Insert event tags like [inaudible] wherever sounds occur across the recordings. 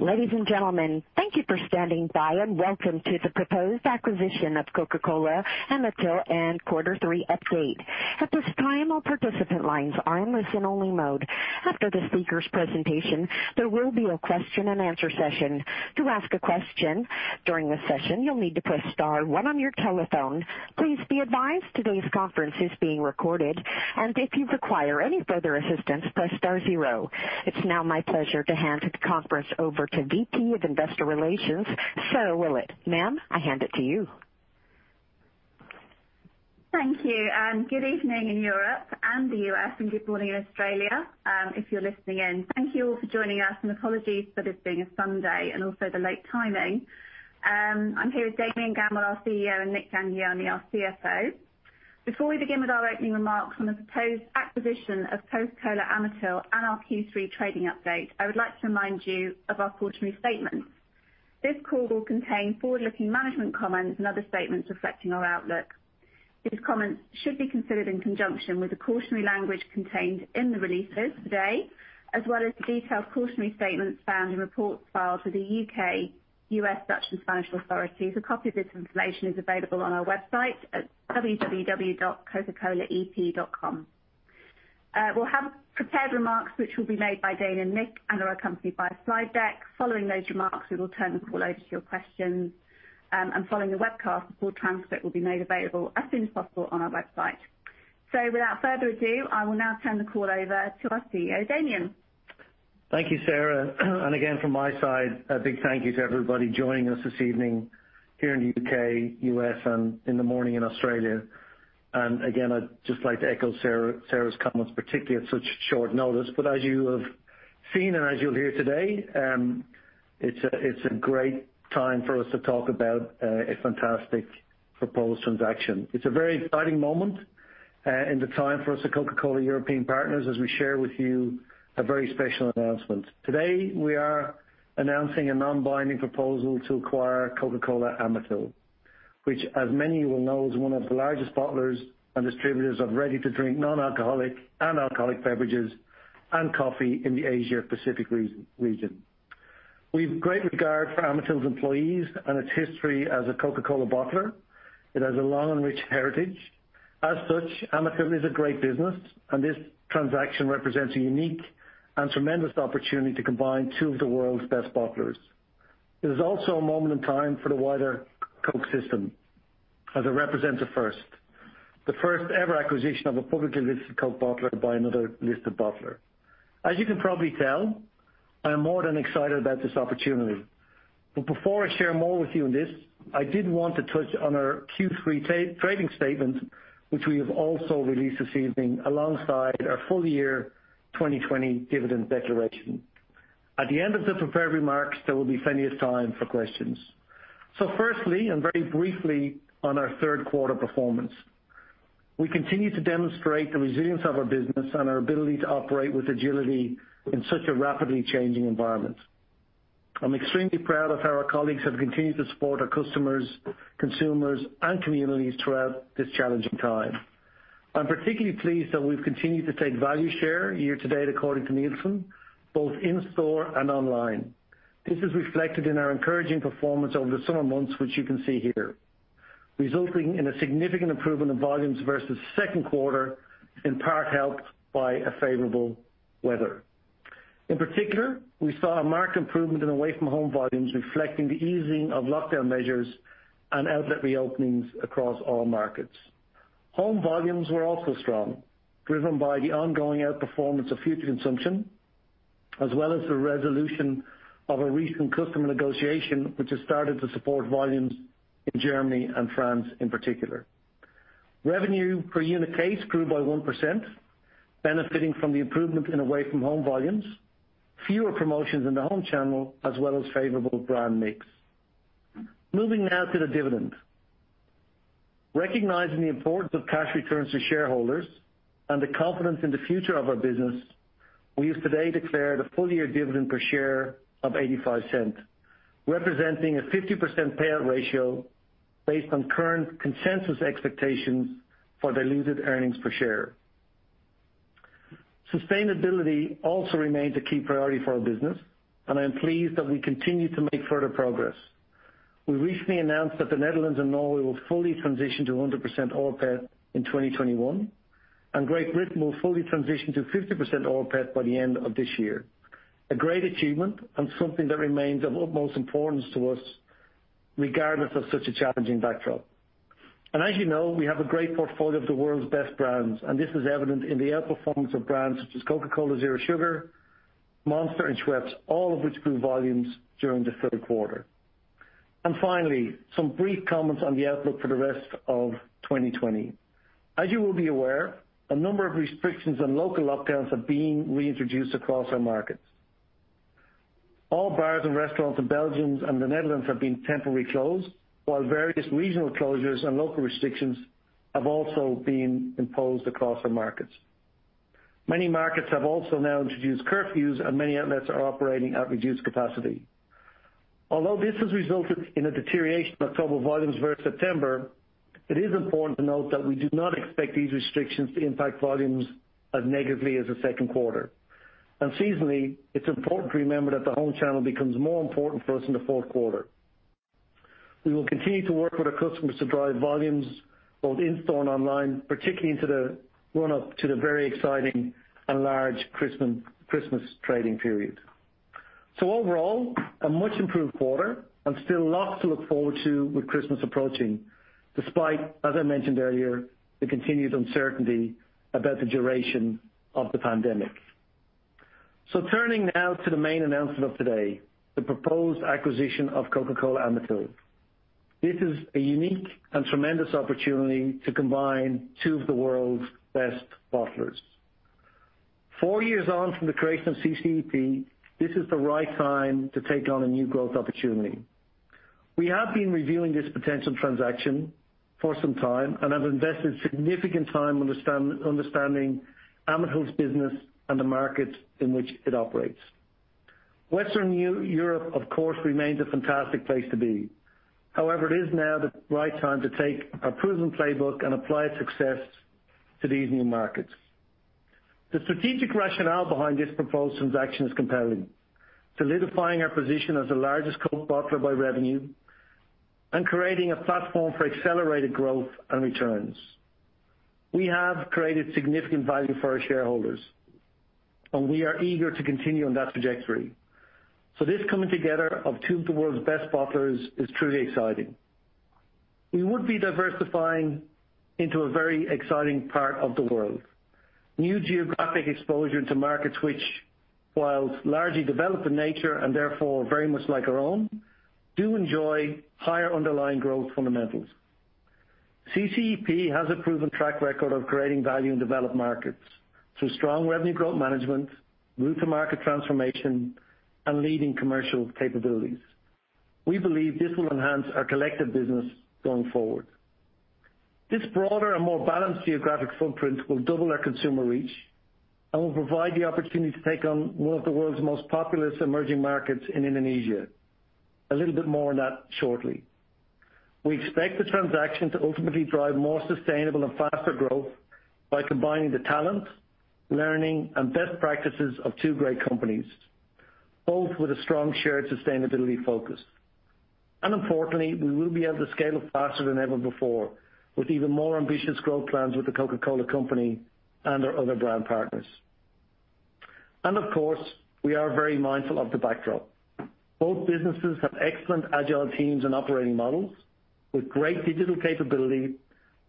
Ladies and gentlemen, thank you for standing by, and welcome to the proposed acquisition of Coca-Cola Amatil and quarter three update. At this time, all participant lines are in listen-only mode. After the speaker's presentation, there will be a question and answer session. To ask a question during the session, you'll need to press star one on your telephone. Please be advised today's conference is being recorded, and if you require any further assistance, press star zero. It's now my pleasure to hand the conference over to VP of Investor Relations, Sarah Willett. Ma'am, I hand it to you. Thank you, and good evening in Europe and the U.S., and good morning in Australia, if you're listening in. Thank you all for joining us, and apologies for this being a Sunday and also the late timing. I'm here with Damian Gammell, our CEO, and Nik Jhangiani, our CFO. Before we begin with our opening remarks on the proposed acquisition of Coca-Cola Amatil and our Q3 trading update, I would like to remind you of our cautionary statement. This call will contain forward-looking management comments and other statements reflecting our outlook. These comments should be considered in conjunction with the cautionary language contained in the releases today, as well as the detailed cautionary statements found in reports filed to the U.K., U.S., Dutch, and Spanish authorities. A copy of this information is available on our website at www.coca-colaep.com. We'll have prepared remarks, which will be made by Damian and Nik, and are accompanied by a slide deck. Following those remarks, we will turn the call over to your questions, and following the webcast, a full transcript will be made available as soon as possible on our website, so without further ado, I will now turn the call over to our CEO, Damian. Thank you, Sarah. And again, from my side, a big thank you to everybody joining us this evening here in the U.K., U.S., and in the morning in Australia. And again, I'd just like to echo Sarah's comments, particularly at such short notice. But as you have seen and as you'll hear today, it's a great time for us to talk about a fantastic proposed transaction. It's a very exciting moment in the time for us at Coca-Cola European Partners, as we share with you a very special announcement. Today, we are announcing a non-binding proposal to acquire Coca-Cola Amatil, which, as many will know, is one of the largest bottlers and distributors of ready-to-drink, non-alcoholic and alcoholic beverages and coffee in the Asia-Pacific region. We've great regard for Amatil's employees and its history as a Coca-Cola bottler. It has a long and rich heritage. As such, Amatil is a great business, and this transaction represents a unique and tremendous opportunity to combine two of the world's best bottlers. It is also a moment in time for the wider Coke system, as it represents a first, the first ever acquisition of a publicly listed Coke bottler by another listed bottler. As you can probably tell, I'm more than excited about this opportunity. But before I share more with you on this, I did want to touch on our Q3 trading statement, which we have also released this evening alongside our full year 2020 dividend declaration. At the end of the prepared remarks, there will be plenty of time for questions. So firstly, and very briefly on our third quarter performance. We continue to demonstrate the resilience of our business and our ability to operate with agility in such a rapidly changing environment. I'm extremely proud of how our colleagues have continued to support our customers, consumers, and communities throughout this challenging time. I'm particularly pleased that we've continued to take value share year to date, according to Nielsen, both in-store and online. This is reflected in our encouraging performance over the summer months, which you can see here, resulting in a significant improvement in volumes versus second quarter, in part helped by a favorable weather. In particular, we saw a marked improvement in away-from-home volumes, reflecting the easing of lockdown measures and outlet reopenings across all markets. Home volumes were also strong, driven by the ongoing outperformance of Fanta consumption, as well as the resolution of a recent customer negotiation, which has started to support volumes in Germany and France in particular. Revenue per unit case grew by 1%, benefiting from the improvement in away-from-home volumes, fewer promotions in the home channel, as well as favorable brand mix. Moving now to the dividend. Recognizing the importance of cash returns to shareholders and the confidence in the future of our business, we have today declared a full-year dividend per share of 0.85, representing a 50% payout ratio based on current consensus expectations for diluted earnings per share. Sustainability also remains a key priority for our business, and I am pleased that we continue to make further progress. We recently announced that the Netherlands and Norway will fully transition to 100% rPET in 2021, and Great Britain will fully transition to 50% rPET by the end of this year. A great achievement and something that remains of utmost importance to us, regardless of such a challenging backdrop, and as you know, we have a great portfolio of the world's best brands, and this is evident in the outperformance of brands such as Coca-Cola Zero Sugar, Monster, and Schweppes, all of which grew volumes during the third quarter, and finally, some brief comments on the outlook for the rest of 2020. As you will be aware, a number of restrictions and local lockdowns are being reintroduced across our markets. All bars and restaurants in Belgium and the Netherlands have been temporarily closed, while various regional closures and local restrictions have also been imposed across our markets. Many markets have also now introduced curfews, and many outlets are operating at reduced capacity. Although this has resulted in a deterioration of total volumes versus September, it is important to note that we do not expect these restrictions to impact volumes as negatively as the second quarter. Seasonally, it's important to remember that the home channel becomes more important for us in the fourth quarter. We will continue to work with our customers to drive volumes, both in-store and online, particularly into the run-up to the very exciting and large Christmas, Christmas trading period. So overall, a much improved quarter, and still lots to look forward to with Christmas approaching, despite, as I mentioned earlier, the continued uncertainty about the duration of the pandemic. So turning now to the main announcement of today, the proposed acquisition of Coca-Cola Amatil. This is a unique and tremendous opportunity to combine two of the world's best bottlers. Four years on from the creation of CCEP, this is the right time to take on a new growth opportunity. We have been reviewing this potential transaction for some time, and have invested significant time understanding Amatil's business and the markets in which it operates. Western Europe, of course, remains a fantastic place to be. However, it is now the right time to take our proven playbook and apply its success to these new markets. The strategic rationale behind this proposed transaction is compelling, solidifying our position as the largest Coke bottler by revenue and creating a platform for accelerated growth and returns. We have created significant value for our shareholders, and we are eager to continue on that trajectory. So this coming together of two of the world's best bottlers is truly exciting. We would be diversifying into a very exciting part of the world. New geographic exposure to markets which, while largely developed in nature, and therefore very much like our own, do enjoy higher underlying growth fundamentals. CCEP has a proven track record of creating value in developed markets through strong revenue growth management, route to market transformation, and leading commercial capabilities. We believe this will enhance our collective business going forward. This broader and more balanced geographic footprint will double our consumer reach and will provide the opportunity to take on one of the world's most populous emerging markets in Indonesia. A little bit more on that shortly. We expect the transaction to ultimately drive more sustainable and faster growth by combining the talent, learning, and best practices of two great companies, both with a strong shared sustainability focus. And importantly, we will be able to scale up faster than ever before, with even more ambitious growth plans with The Coca-Cola Company and our other brand partners. And of course, we are very mindful of the backdrop. Both businesses have excellent agile teams and operating models with great digital capability,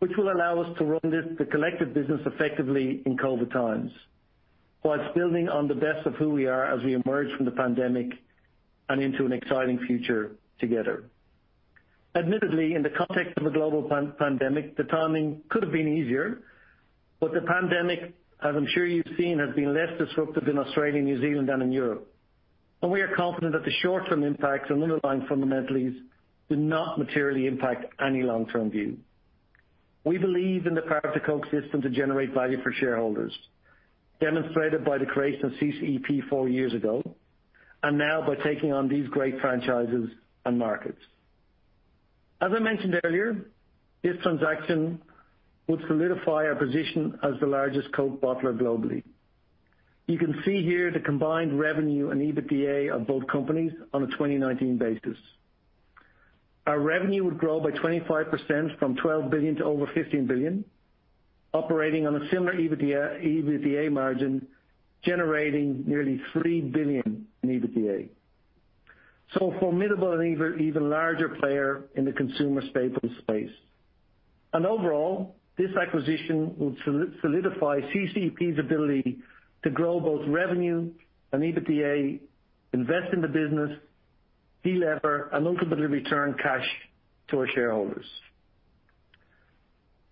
which will allow us to run this, the collective business effectively in COVID times, while building on the best of who we are as we emerge from the pandemic and into an exciting future together. Admittedly, in the context of a global pandemic, the timing could have been easier, but the pandemic, as I'm sure you've seen, has been less disruptive in Australia, New Zealand than in Europe. And we are confident that the short-term impacts on underlying fundamentals do not materially impact any long-term view. We believe in the power of the Coke system to generate value for shareholders, demonstrated by the creation of CCEP four years ago, and now by taking on these great franchises and markets. As I mentioned earlier, this transaction would solidify our position as the largest Coke bottler globally. You can see here the combined revenue and EBITDA of both companies on a 2019 basis. Our revenue would grow by 25% from 12 billion to over 15 billion, operating on a similar EBITDA margin, generating nearly 3 billion in EBITDA. It is a formidable and even larger player in the consumer staples space. Overall, this acquisition will solidify CCEP's ability to grow both revenue and EBITDA, invest in the business, delever, and ultimately return cash to our shareholders.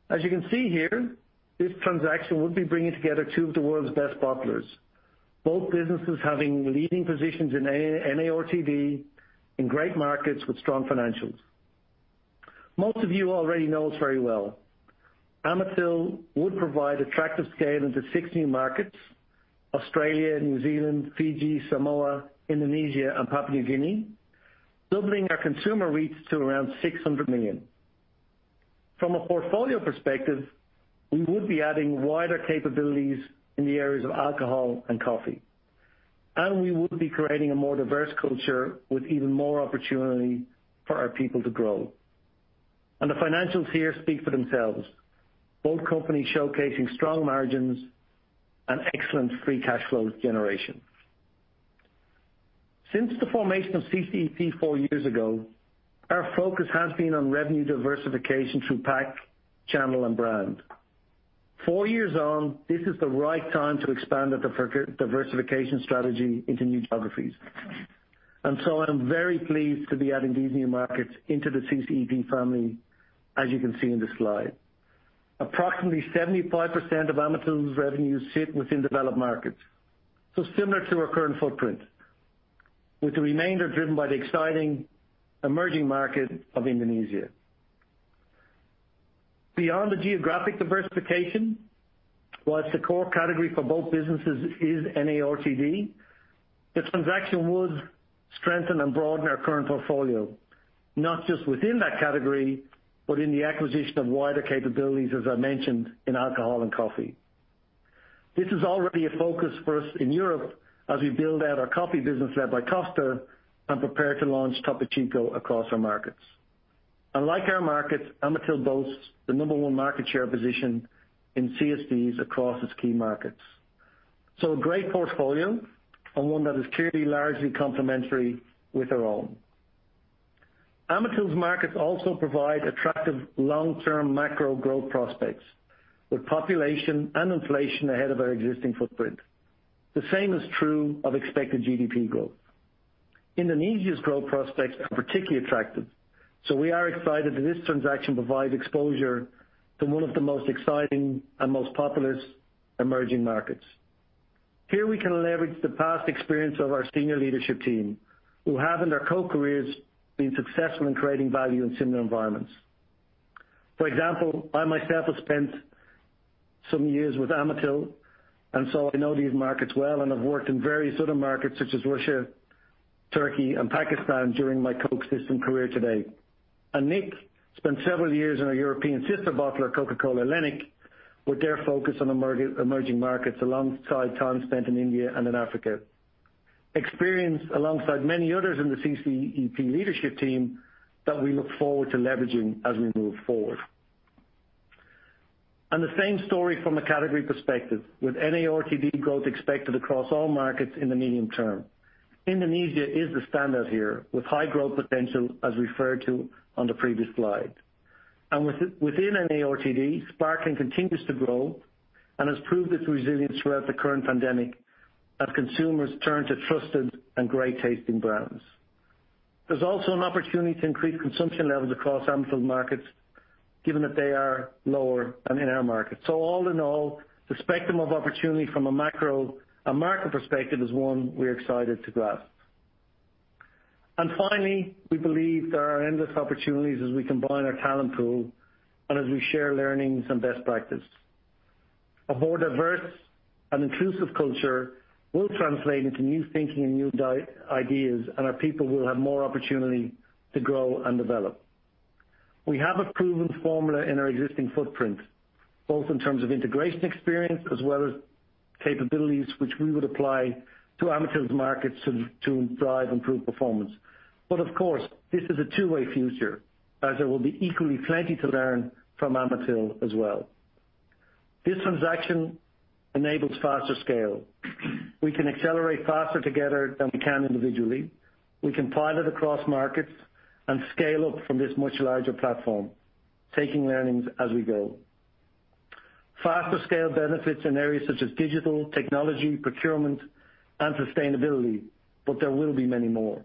As you can see here, this transaction would be bringing together two of the world's best bottlers. Both businesses having leading positions in NA RTD, in great markets with strong financials. Most of you already know us very well. Amatil would provide attractive scale into six new markets, Australia, New Zealand, Fiji, Samoa, Indonesia, and Papua New Guinea, doubling our consumer reach to around 600 million. From a portfolio perspective, we would be adding wider capabilities in the areas of alcohol and coffee, and we would be creating a more diverse culture with even more opportunity for our people to grow. And the financials here speak for themselves. Both companies showcasing strong margins and excellent free cash flow generation. Since the formation of CCEP four years ago, our focus has been on revenue diversification through pack, channel, and brand. Four years on, this is the right time to expand the diversification strategy into new geographies. And so I'm very pleased to be adding these new markets into the CCEP family, as you can see in the slide. Approximately 75% of Amatil's revenues sit within developed markets, so similar to our current footprint, with the remainder driven by the exciting emerging market of Indonesia. Beyond the geographic diversification, while the core category for both businesses is NA RTD, the transaction would strengthen and broaden our current portfolio, not just within that category, but in the acquisition of wider capabilities, as I mentioned, in alcohol and coffee. This is already a focus for us in Europe as we build out our coffee business led by Costa and prepare to launch Topo Chico across our markets. And like our markets, Amatil boasts the number one market share position in CSDs across its key markets. So a great portfolio and one that is clearly largely complementary with our own. Amatil's markets also provide attractive long-term macro growth prospects, with population and inflation ahead of our existing footprint. The same is true of expected GDP growth. Indonesia's growth prospects are particularly attractive, so we are excited that this transaction provides exposure to one of the most exciting and most populous emerging markets. Here we can leverage the past experience of our senior leadership team, who have, in their Coke careers, been successful in creating value in similar environments. For example, I myself have spent some years with Amatil, and so I know these markets well, and I've worked in various other markets such as Russia, Turkey and Pakistan during my Coke system career today. Nik spent several years in a European sister bottler, Coca-Cola Hellenic, with their focus on emerging markets, alongside time spent in India and in Africa. Experience alongside many others in the CCEP leadership team that we look forward to leveraging as we move forward. The same story from a category perspective, with NA RTD growth expected across all markets in the medium term. Indonesia is the standout here, with high growth potential, as referred to on the previous slide. Within NA RTD, Sparkling continues to grow and has proved its resilience throughout the current pandemic as consumers turn to trusted and great-tasting brands. There's also an opportunity to increase consumption levels across Amatil markets, given that they are lower than in our markets. All in all, the spectrum of opportunity from a macro and market perspective is one we're excited to grasp. Finally, we believe there are endless opportunities as we combine our talent pool and as we share learnings and best practice. A more diverse and inclusive culture will translate into new thinking and new ideas, and our people will have more opportunity to grow and develop. We have a proven formula in our existing footprint, both in terms of integration experience as well as capabilities, which we would apply to Amatil's markets to drive improved performance. But of course, this is a two-way future, as there will be equally plenty to learn from Amatil as well. This transaction enables faster scale. We can accelerate faster together than we can individually. We can pilot across markets and scale up from this much larger platform, taking learnings as we go. Faster scale benefits in areas such as digital, technology, procurement, and sustainability, but there will be many more.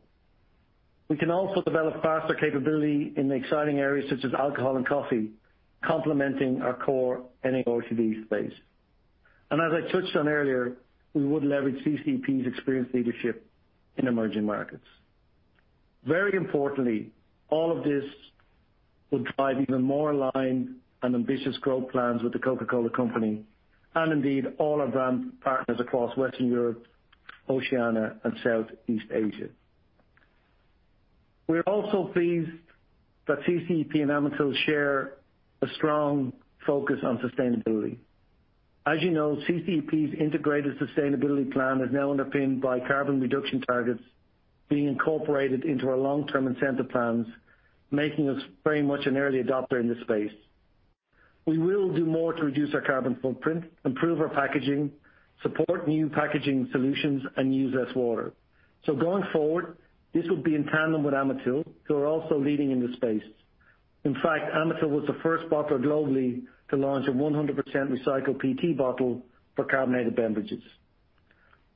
We can also develop faster capability in exciting areas such as alcohol and coffee, complementing our core NA RTD space. And as I touched on earlier, we would leverage CCEP's experienced leadership in emerging markets. Very importantly, all of this will drive even more aligned and ambitious growth plans with The Coca-Cola Company and indeed all our brand partners across Western Europe, Oceania, and Southeast Asia. We're also pleased that CCEP and Amatil share a strong focus on sustainability. As you know, CCEP's integrated sustainability plan is now underpinned by carbon reduction targets being incorporated into our long-term incentive plans, making us very much an early adopter in this space. We will do more to reduce our carbon footprint, improve our packaging, support new packaging solutions, and use less water. So going forward, this will be in tandem with Amatil, who are also leading in this space. In fact, Amatil was the first bottler globally to launch a 100% recycled PET bottle for carbonated beverages.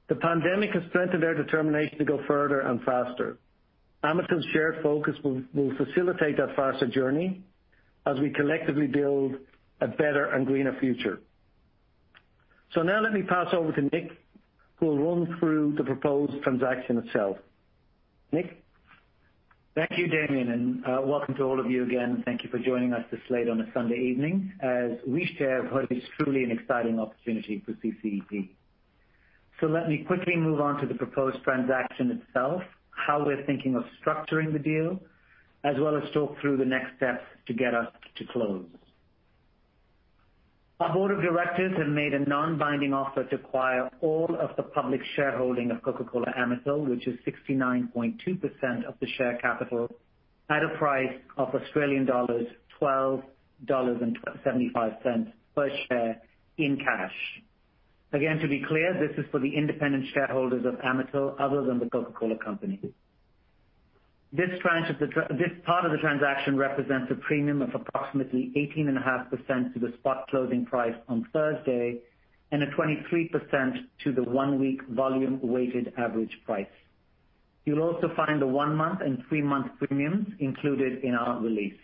The pandemic has strengthened our determination to go further and faster. Amatil's shared focus will facilitate that faster journey as we collectively build a better and greener future. So now let me pass over to Nik, who will run through the proposed transaction itself. Nik? Thank you, Damian, and welcome to all of you again. Thank you for joining us this late on a Sunday evening as we share what is truly an exciting opportunity for CCEP. Let me quickly move on to the proposed transaction itself, how we're thinking of structuring the deal, as well as talk through the next steps to get us to close. Our board of directors have made a non-binding offer to acquire all of the public shareholding of Coca-Cola Amatil, which is 69.2% of the share capital, at a price of Australian dollars 12.75 per share in cash. Again, to be clear, this is for the independent shareholders of Amatil, other than The Coca-Cola Company. This part of the transaction represents a premium of approximately 18.5% to the spot closing price on Thursday and a 23% to the one-week volume weighted average price. You'll also find the one-month and three-month premiums included in our release.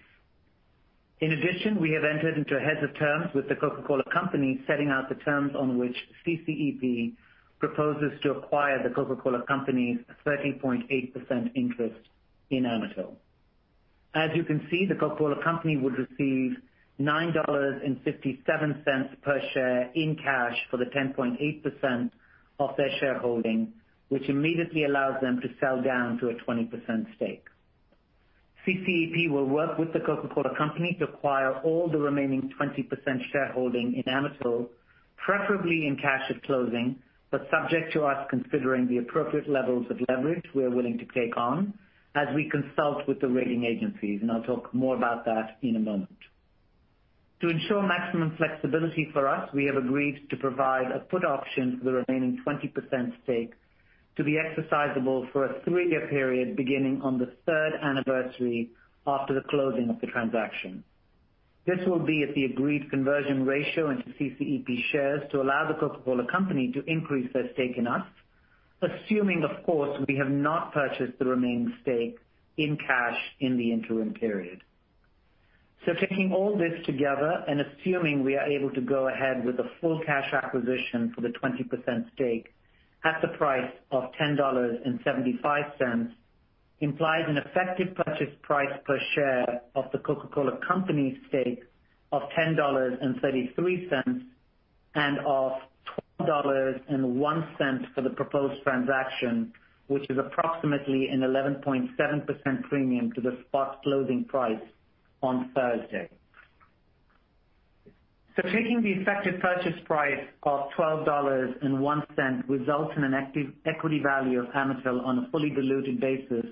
In addition, we have entered into a heads of terms with The Coca-Cola Company, setting out the terms on which CCEP proposes to acquire The Coca-Cola Company's 13.8% interest in Amatil. As you can see, The Coca-Cola Company would receive 9.57 dollars per share in cash for the 10.8% of their shareholding, which immediately allows them to sell down to a 20% stake. CCEP will work with The Coca-Cola Company to acquire all the remaining 20% shareholding in Amatil, preferably in cash at closing, but subject to us considering the appropriate levels of leverage we are willing to take on as we consult with the rating agencies, and I'll talk more about that in a moment. To ensure maximum flexibility for us, we have agreed to provide a put option for the remaining 20% stake to be exercisable for a three-year period, beginning on the third anniversary after the closing of the transaction. This will be at the agreed conversion ratio into CCEP shares to allow The Coca-Cola Company to increase their stake in us, assuming, of course, we have not purchased the remaining stake in cash in the interim period. So taking all this together and assuming we are able to go ahead with a full cash acquisition for the 20% stake at the price of 10.75 dollars, implies an effective purchase price per share of The Coca-Cola Company stake of 10.33 dollars, and of 12.01 dollars for the proposed transaction, which is approximately an 11.7% premium to the spot closing price on Thursday. So taking the effective purchase price of 12.01 dollars results in an enterprise value of Amatil on a fully diluted basis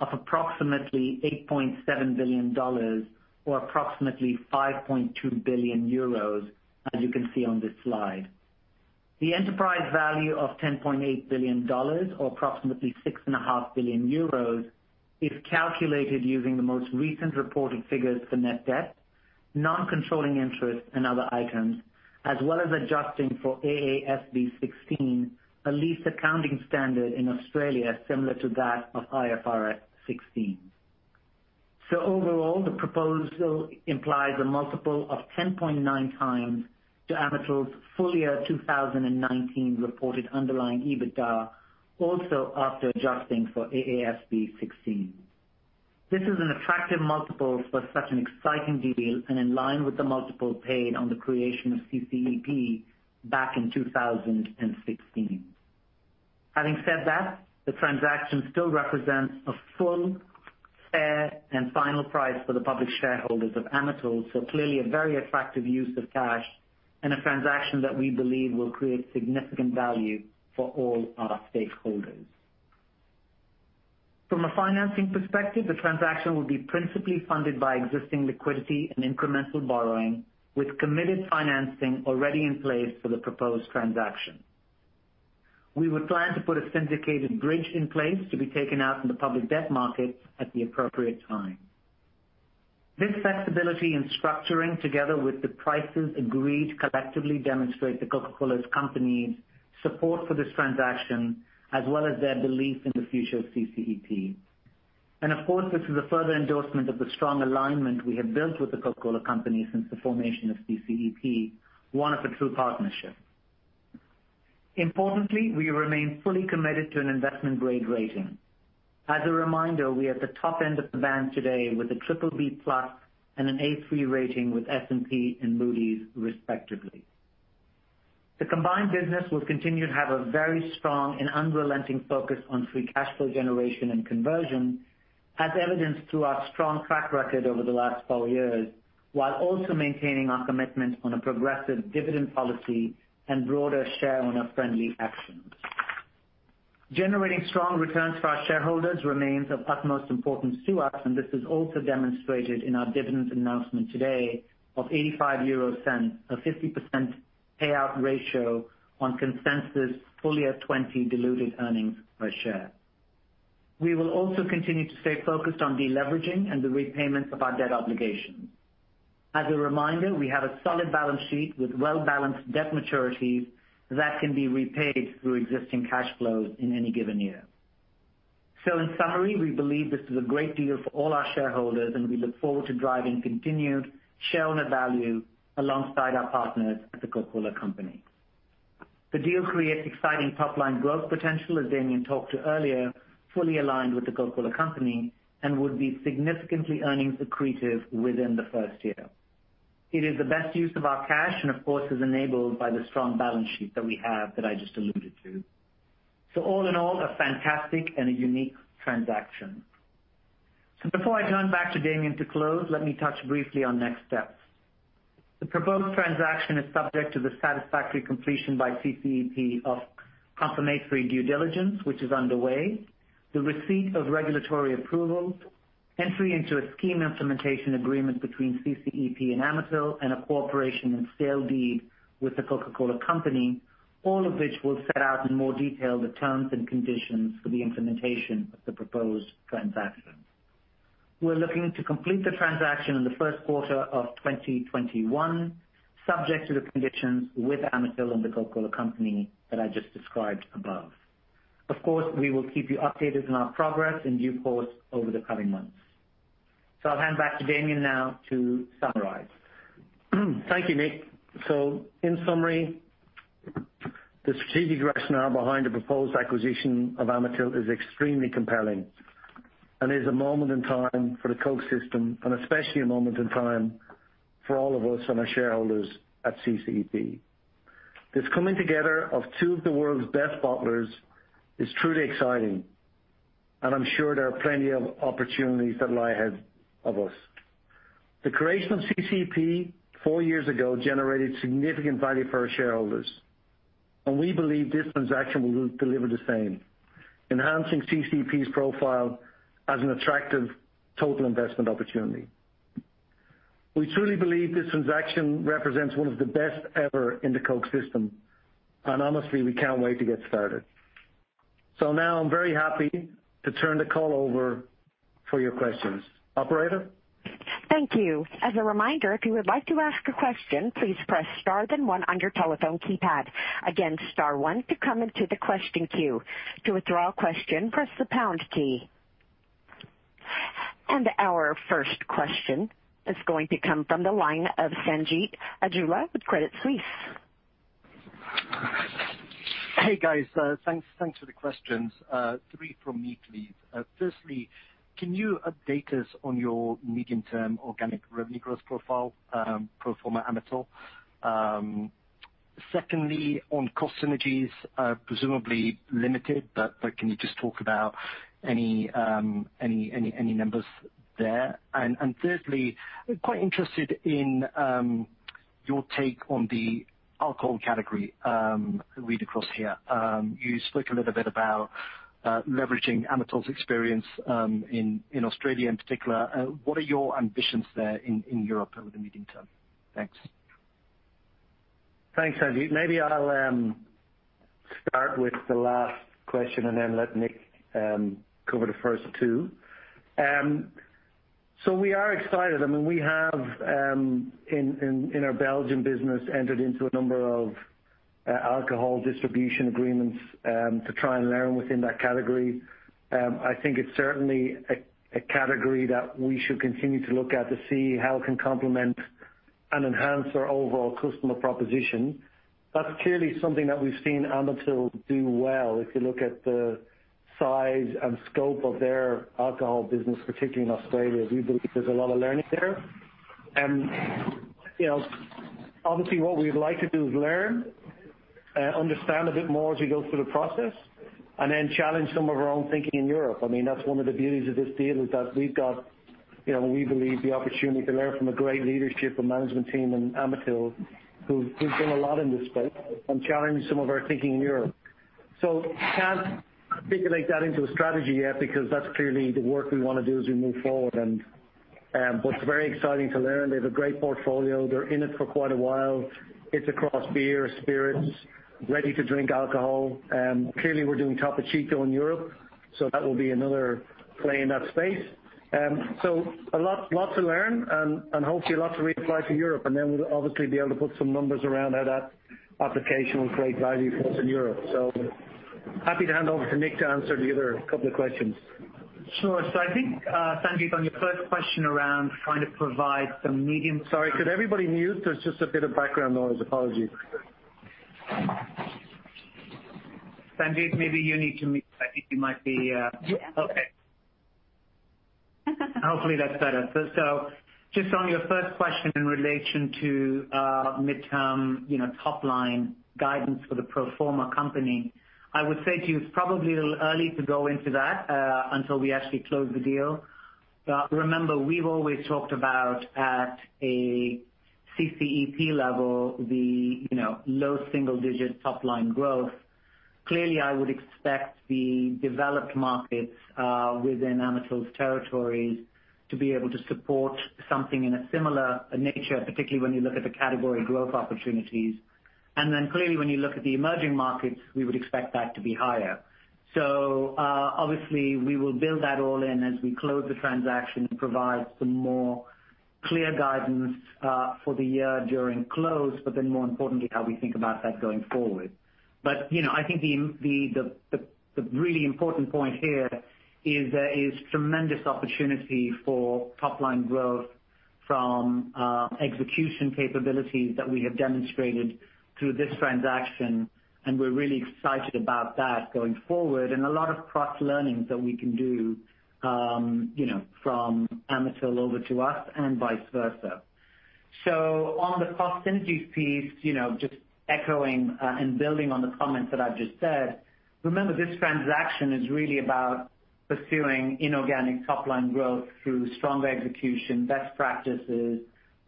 of approximately 8.7 billion dollars or approximately 5.2 billion euros, as you can see on this slide. The enterprise value of 10.8 billion dollars, or approximately 6.5 billion euros, is calculated using the most recent reported figures for net debt, non-controlling interest and other items, as well as adjusting for AASB 16, a lease accounting standard in Australia similar to that of IFRS 16. So overall, the proposal implies a multiple of 10.9 times to Amatil's full year 2019 reported underlying EBITDA, also after adjusting for AASB 16. This is an attractive multiple for such an exciting deal and in line with the multiple paid on the creation of CCEP back in 2016. Having said that, the transaction still represents a full, fair, and final price for the public shareholders of Amatil. So clearly a very attractive use of cash and a transaction that we believe will create significant value for all our stakeholders. From a financing perspective, the transaction will be principally funded by existing liquidity and incremental borrowing, with committed financing already in place for the proposed transaction. We would plan to put a syndicated bridge in place to be taken out in the public debt market at the appropriate time. This flexibility in structuring, together with the prices agreed, collectively demonstrate The Coca-Cola Company's support for this transaction, as well as their belief in the future of CCEP. And of course, this is a further endorsement of the strong alignment we have built with The Coca-Cola Company since the formation of CCEP, one of the true partnerships. Importantly, we remain fully committed to an investment-grade rating. As a reminder, we are at the top end of the band today with a triple B plus and an A three rating with S&P and Moody's, respectively. The combined business will continue to have a very strong and unrelenting focus on free cash flow generation and conversion, as evidenced through our strong track record over the last four years, while also maintaining our commitment on a progressive dividend policy and broader shareholder-friendly actions. Generating strong returns for our shareholders remains of utmost importance to us, and this is also demonstrated in our dividend announcement today of 0.85, a 50% payout ratio on consensus full-year 2020 diluted earnings per share. We will also continue to stay focused on deleveraging and the repayment of our debt obligations. As a reminder, we have a solid balance sheet with well-balanced debt maturities that can be repaid through existing cash flows in any given year. So in summary, we believe this is a great deal for all our shareholders, and we look forward to driving continued shareholder value alongside our partners at The Coca-Cola Company. The deal creates exciting top-line growth potential, as Damian talked about earlier, fully aligned with The Coca-Cola Company, and would be significantly earnings accretive within the first year. It is the best use of our cash and of course, is enabled by the strong balance sheet that we have that I just alluded to. So all in all, a fantastic and a unique transaction. So before I turn back to Damian to close, let me touch briefly on next steps. The proposed transaction is subject to the satisfactory completion by CCEP of confirmatory due diligence, which is underway, the receipt of regulatory approvals, entry into a scheme implementation agreement between CCEP and Amatil, and a cooperation and sale deed with The Coca-Cola Company, all of which will set out in more detail the terms and conditions for the implementation of the proposed transaction. We're looking to complete the transaction in the first quarter of twenty twenty-one, subject to the conditions with Amatil and The Coca-Cola Company that I just described above. Of course, we will keep you updated on our progress in due course over the coming months. I'll hand back to Damian now to summarize. Thank you, Nik. So in summary, the strategic rationale behind the proposed acquisition of Amatil is extremely compelling and is a moment in time for the Coke system, and especially a moment in time for all of us and our shareholders at CCEP. This coming together of two of the world's best bottlers is truly exciting, and I'm sure there are plenty of opportunities that lie ahead of us. The creation of CCEP four years ago generated significant value for our shareholders, and we believe this transaction will deliver the same, enhancing CCEP's profile as an attractive total investment opportunity. We truly believe this transaction represents one of the best ever in the Coke system, and honestly, we can't wait to get started. So now I'm very happy to turn the call over for your questions. Operator? Thank you. As a reminder, if you would like to ask a question, please press Star, then one on your telephone keypad. Again, star one to come into the question queue. To withdraw a question, press the pound key. And our first question is going to come from the line of Sanjeet Aujla with Credit Suisse. Hey, guys. Thanks for the questions. Three from me, please. Firstly, can you update us on your medium-term organic revenue growth profile, pro forma Amatil? Secondly, on cost synergies, presumably limited, but can you just talk about any numbers there? Thirdly, quite interested in your take on the alcohol category, read across here. You spoke a little bit about leveraging Amatil's experience in Australia in particular. What are your ambitions there in Europe over the medium term? Thanks. Thanks, Sanjeet. Maybe I'll start with the last question and then let Nik cover the first two. So we are excited. I mean, we have in our Belgian business entered into a number of alcohol distribution agreements to try and learn within that category. I think it's certainly a category that we should continue to look at to see how it can complement and enhance our overall customer proposition. That's clearly something that we've seen Amatil do well. If you look at the size and scope of their alcohol business, particularly in Australia, we believe there's a lot of learning there. You know, obviously what we'd like to do is learn, understand a bit more as we go through the process, and then challenge some of our own thinking in Europe. I mean, that's one of the beauties of this deal, is that we've got, you know, we believe, the opportunity to learn from a great leadership and management team in Amatil, who've done a lot in this space and challenge some of our thinking in Europe, so can't articulate that into a strategy yet, because that's clearly the work we wanna do as we move forward, but it's very exciting to learn. They have a great portfolio. They're in it for quite a while. It's across beer, spirits, ready to drink alcohol. Clearly, we're doing Topo Chico in Europe, so that will be another play in that space, so a lot, lot to learn and hopefully a lot to reapply to Europe, and then we'll obviously be able to put some numbers around how that application will create value for us in Europe. So happy to hand over to Nik to answer the other couple of questions. Sure. So I think, Sanjeet, on your first question around trying to provide some medium- Sorry, could everybody mute? There's just a bit of background noise. Apologies. Sanjeet, maybe you need to mute. I think you might be, Yeah. Okay. Hopefully, that's better. So just on your first question in relation to midterm, you know, top line guidance for the pro forma company, I would say to you, it's probably a little early to go into that until we actually close the deal. But remember, we've always talked about at a CCEP level, the you know, low single digit top line growth. Clearly, I would expect the developed markets within Amatil's territories to be able to support something in a similar nature, particularly when you look at the category growth opportunities. And then clearly, when you look at the emerging markets, we would expect that to be higher. So obviously, we will build that all in as we close the transaction and provide some more clear guidance for the year during close, but then, more importantly, how we think about that going forward. But, you know, I think the really important point here is there is tremendous opportunity for top line growth from execution capabilities that we have demonstrated through this transaction, and we're really excited about that going forward. And a lot of cross-learnings that we can do, you know, from Amatil over to us and vice versa. So on the cost synergies piece, you know, just echoing and building on the comments that I've just said, remember, this transaction is really about pursuing inorganic top line growth through stronger execution, best practices,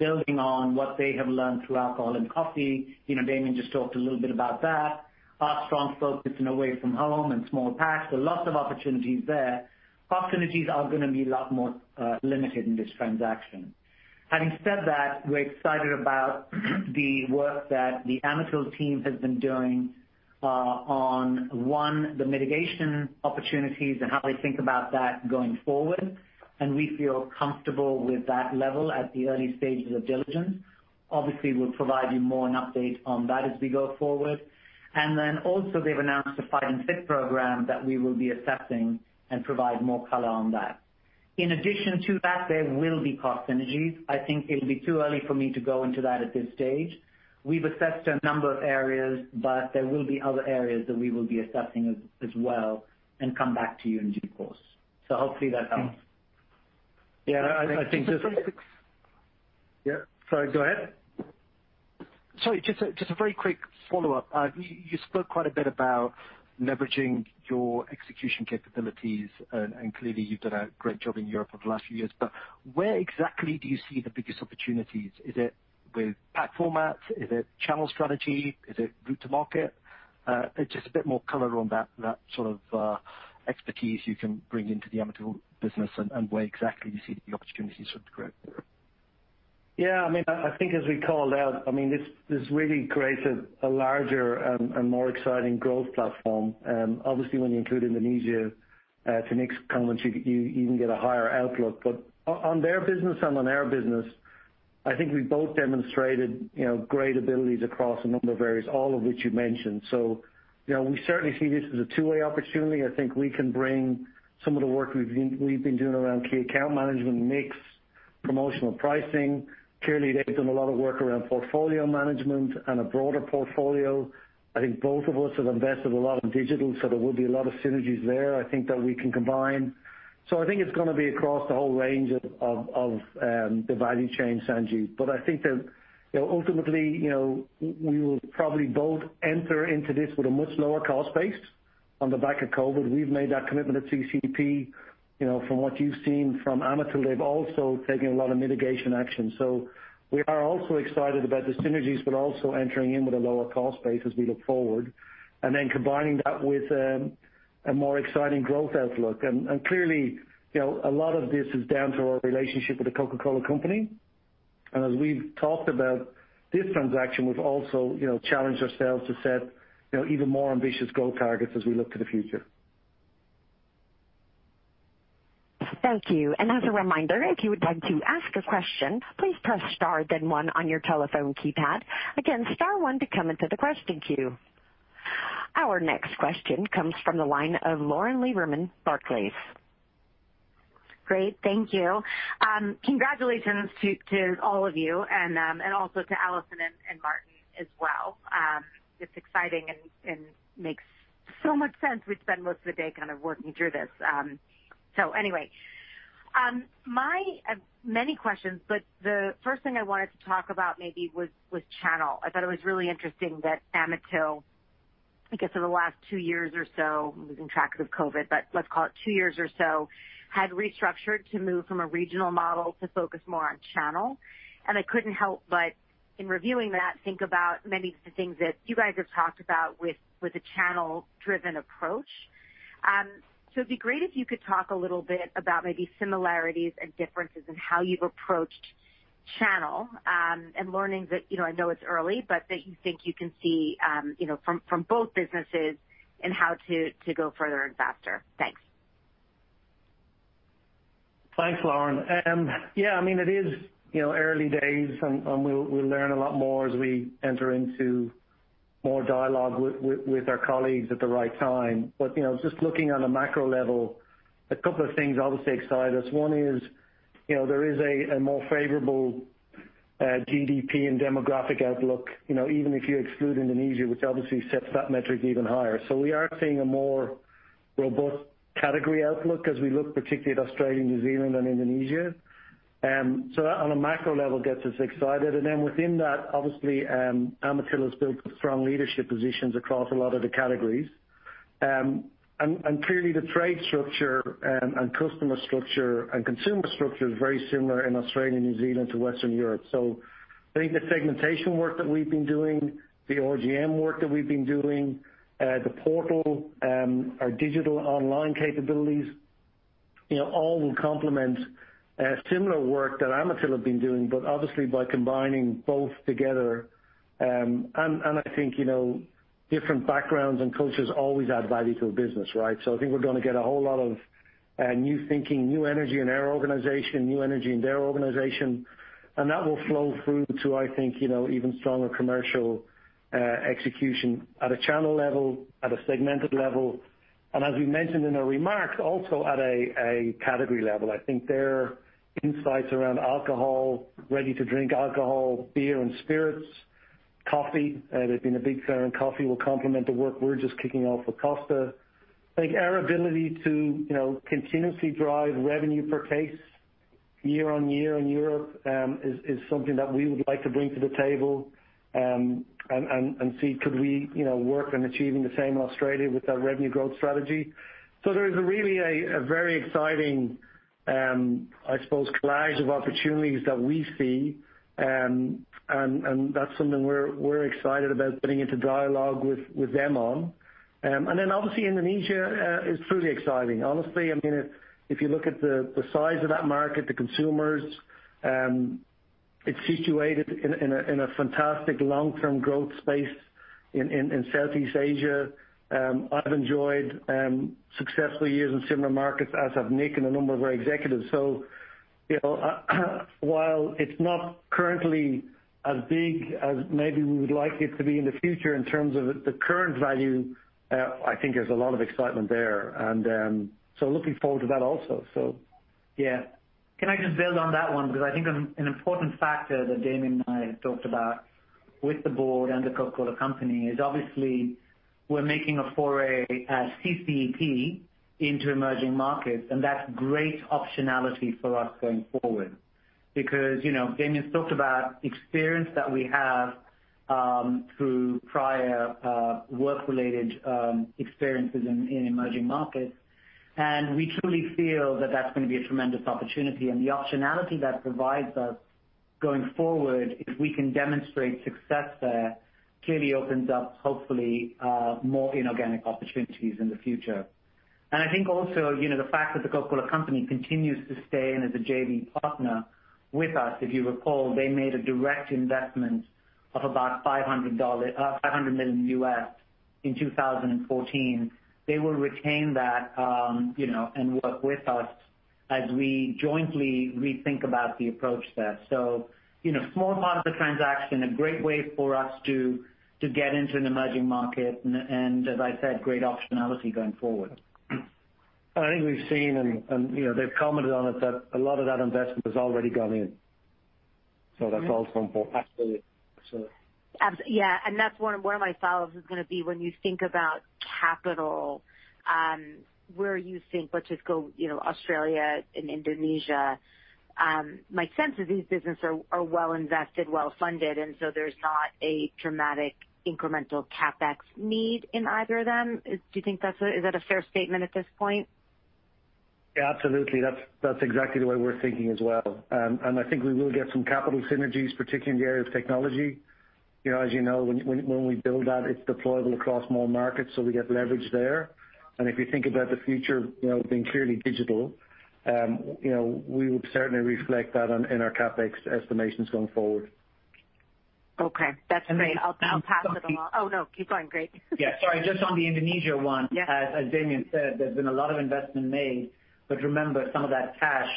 building on what they have learned through alcohol and coffee. You know, Damian just talked a little bit about that. Our strong focus in away from home and small packs, so lots of opportunities there. Cost synergies are gonna be a lot more limited in this transaction. Having said that, we're excited about the work that the Amatil team has been doing on the mitigation opportunities and how they think about that going forward, and we feel comfortable with that level at the early stages of diligence. Obviously, we'll provide you more an update on that as we go forward, and then also, they've announced a Fighting Fit program that we will be assessing and provide more color on that. In addition to that, there will be cost synergies. I think it'll be too early for me to go into that at this stage. We've assessed a number of areas, but there will be other areas that we will be assessing as well and come back to you in due course. So hopefully that helps. Yeah, I think this- Yeah, sorry. Go ahead. Sorry, just a very quick follow-up. You spoke quite a bit about leveraging your execution capabilities, and clearly, you've done a great job in Europe over the last few years. But where exactly do you see the biggest opportunities? Is it with pack formats? Is it channel strategy? Is it route to market? Just a bit more color on that sort of expertise you can bring into the Amatil business and where exactly you see the opportunities for growth. Yeah, I mean, I think as we called out, I mean, this really creates a larger and more exciting growth platform. Obviously, when you include Indonesia to Nik's comments, you even get a higher outlook. But on their business and on our business, I think we both demonstrated, you know, great abilities across a number of areas, all of which you mentioned. So, you know, we certainly see this as a two-way opportunity. I think we can bring some of the work we've been doing around key account management, mix, promotional pricing. Clearly, they've done a lot of work around portfolio management and a broader portfolio. I think both of us have invested a lot in digital, so there will be a lot of synergies there, I think, that we can combine. So I think it's gonna be across the whole range of the value chain, Sanjeet. But I think that, you know, ultimately, you know, we will probably both enter into this with a much lower cost base on the back of COVID. We've made that commitment at CCEP. You know, from what you've seen from Amatil, they've also taken a lot of mitigation action. So we are also excited about the synergies, but also entering in with a lower cost base as we look forward, and then combining that with a more exciting growth outlook. And clearly, you know, a lot of this is down to our relationship with The Coca-Cola Company. And as we've talked about this transaction, we've also, you know, challenged ourselves to set, you know, even more ambitious goal targets as we look to the future. Thank you. And as a reminder, if you would like to ask a question, please press star then one on your telephone keypad. Again, star one to come into the question queue. Our next question comes from the line of Lauren Lieberman, Barclays. Great, thank you. Congratulations to all of you and also to Alison and Martyn as well. It's exciting and makes so much sense. We've spent most of the day kind of working through this. So anyway, I have many questions, but the first thing I wanted to talk about maybe was channel. I thought it was really interesting that Amatil, I guess, in the last two years or so, losing track of COVID, but let's call it two years or so, had restructured to move from a regional model to focus more on channel. And I couldn't help but, in reviewing that, think about many of the things that you guys have talked about with a channel-driven approach. So it'd be great if you could talk a little bit about maybe similarities and differences in how you've approached channel, and learnings that, you know, I know it's early, but that you think you can see, you know, from both businesses and how to go further and faster? Thanks. Thanks, Lauren. Yeah, I mean, it is, you know, early days, and we'll learn a lot more as we enter into more dialogue with our colleagues at the right time. But, you know, just looking on a macro level, a couple of things obviously excite us. One is, you know, there is a more favorable GDP and demographic outlook, you know, even if you exclude Indonesia, which obviously sets that metric even higher. So we are seeing a more robust category outlook as we look particularly at Australia, New Zealand and Indonesia. So that on a macro level gets us excited. And then within that, obviously, Amatil has built strong leadership positions across a lot of the categories. Clearly, the trade structure and customer structure and consumer structure is very similar in Australia and New Zealand to Western Europe. So I think the segmentation work that we've been doing, the RGM work that we've been doing, the portal, our digital online capabilities, you know, all will complement similar work that Amatil have been doing, but obviously by combining both together. And I think, you know, different backgrounds and cultures always add value to a business, right? So I think we're gonna get a whole lot of new thinking, new energy in our organization, new energy in their organization, and that will flow through to, I think, you know, even stronger commercial execution at a channel level, at a segmented level, and as we mentioned in our remarks, also at a category level. I think their insights around alcohol, ready to drink alcohol, beer and spirits, coffee, they've been a big fan, and coffee will complement the work we're just kicking off with Costa. I think our ability to, you know, continuously drive revenue per case year on year in Europe, is something that we would like to bring to the table, and see could we, you know, work on achieving the same in Australia with our revenue growth strategy. So there is really a very exciting, I suppose, collage of opportunities that we see, and that's something we're excited about getting into dialogue with them on. And then obviously, Indonesia is truly exciting. Honestly, I mean, if you look at the size of that market, the consumers, it's situated in a fantastic long-term growth space in Southeast Asia. I've enjoyed successful years in similar markets, as have Nik and a number of our executives. You know, while it's not currently as big as maybe we would like it to be in the future in terms of the current value, I think there's a lot of excitement there. And so looking forward to that also, so. Yeah. Can I just build on that one? Because I think an important factor that Damian and I have talked about with the board and The Coca-Cola Company is obviously we're making a foray as CCEP into emerging markets, and that's great optionality for us going forward. Because, you know, Damian's talked about experience that we have through prior work-related experiences in emerging markets. And we truly feel that that's gonna be a tremendous opportunity. And the optionality that provides us going forward, if we can demonstrate success there, clearly opens up, hopefully, more inorganic opportunities in the future. And I think also, you know, the fact that The Coca-Cola Company continues to stay in as a JV partner with us, if you recall, they made a direct investment of about $500 million in 2014. They will retain that, you know, and work with us as we jointly rethink about the approach there. So, you know, small amount of the transaction, a great way for us to get into an emerging market, and as I said, great optionality going forward. I think we've seen, and you know, they've commented on it, that a lot of that investment has already gone in. So that's also important. Absolutely. So- Yeah, and that's one of my follows is gonna be when you think about capital, where you think, let's just go, you know, Australia and Indonesia. My sense is these businesses are well invested, well funded, and so there's not a dramatic incremental CapEx need in either of them. Do you think that's a fair statement at this point? Yeah, absolutely. That's exactly the way we're thinking as well. And I think we will get some capital synergies, particularly in the area of technology. You know, as you know, when we build that, it's deployable across more markets, so we get leverage there. And if you think about the future, you know, being clearly digital, you know, we would certainly reflect that in our CapEx estimations going forward. Okay. That's great. [crosstalk] I'll pass it along. Oh, no, keep going. Great. Yeah, sorry. Just on the Indonesia one- Yeah. As Damian said, there's been a lot of investment made, but remember, some of that cash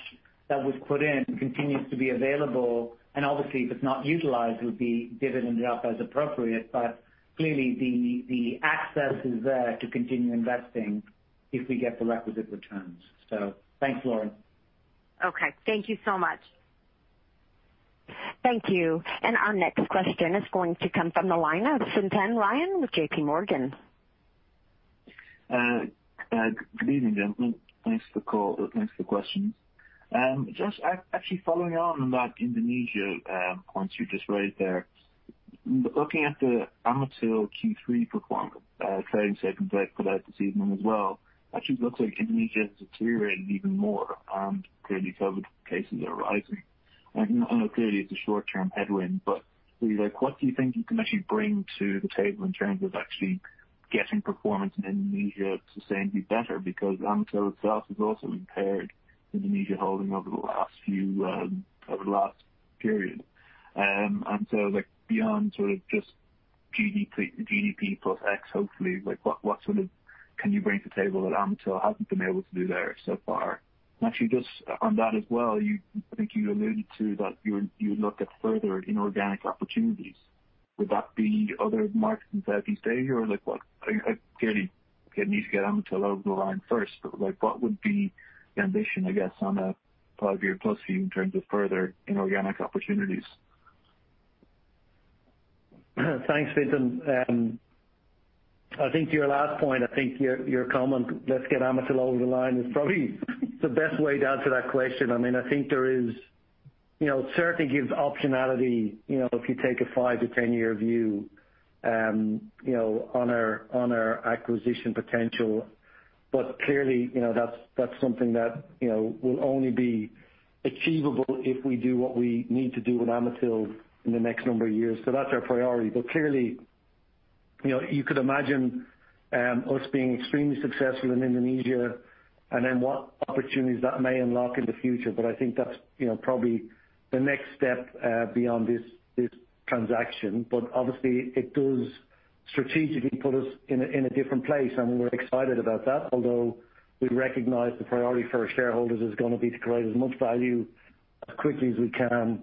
that was put in continues to be available, and obviously, if it's not utilized, would be divvied up as appropriate. But clearly, the access is there to continue investing if we get the requisite returns. So thanks, Lauren. Okay. Thank you so much. Thank you. And our next question is going to come from the line of Fintan Ryan with JPMorgan. Good evening, gentlemen. Thanks for the call. Thanks for the question. Just actually following on about Indonesia, points you just raised there. Looking at the Amatil Q3 performance, trading statement put out this evening as well, actually looks like Indonesia has deteriorated even more, clearly COVID cases are rising. And I know clearly it's a short-term headwind, but really, like, what do you think you can actually bring to the table in terms of actually getting performance in Indonesia to suddenly be better? Because Amatil itself has also impaired Indonesia holding over the last few, over the last period. And so, like, beyond sort of just GDP, GDP plus X, hopefully, like, what, what sort of can you bring to the table that Amatil hasn't been able to do there so far? And actually, just on that as well, you-- I think you alluded to that you would look at further inorganic opportunities. Would that be other markets inside these days here? Or like, what-- I clearly need to get Amatil over the line first, but like, what would be the ambition, I guess, on a five-year plus view in terms of further inorganic opportunities? Thanks, Fintan. I think to your last point, I think your comment, let's get Amatil over the line, is probably the best way to answer that question. I mean, I think there is. You know, it certainly gives optionality, you know, if you take a five- to 10-year view, you know, on our acquisition potential. But clearly, you know, that's something that, you know, will only be achievable if we do what we need to do with Amatil in the next number of years. So that's our priority. But clearly, you know, you could imagine us being extremely successful in Indonesia, and then what opportunities that may unlock in the future. But I think that's, you know, probably the next step beyond this transaction. But obviously, it does strategically put us in a different place, and we're excited about that, although we recognize the priority for our shareholders is gonna be to create as much value as quickly as we can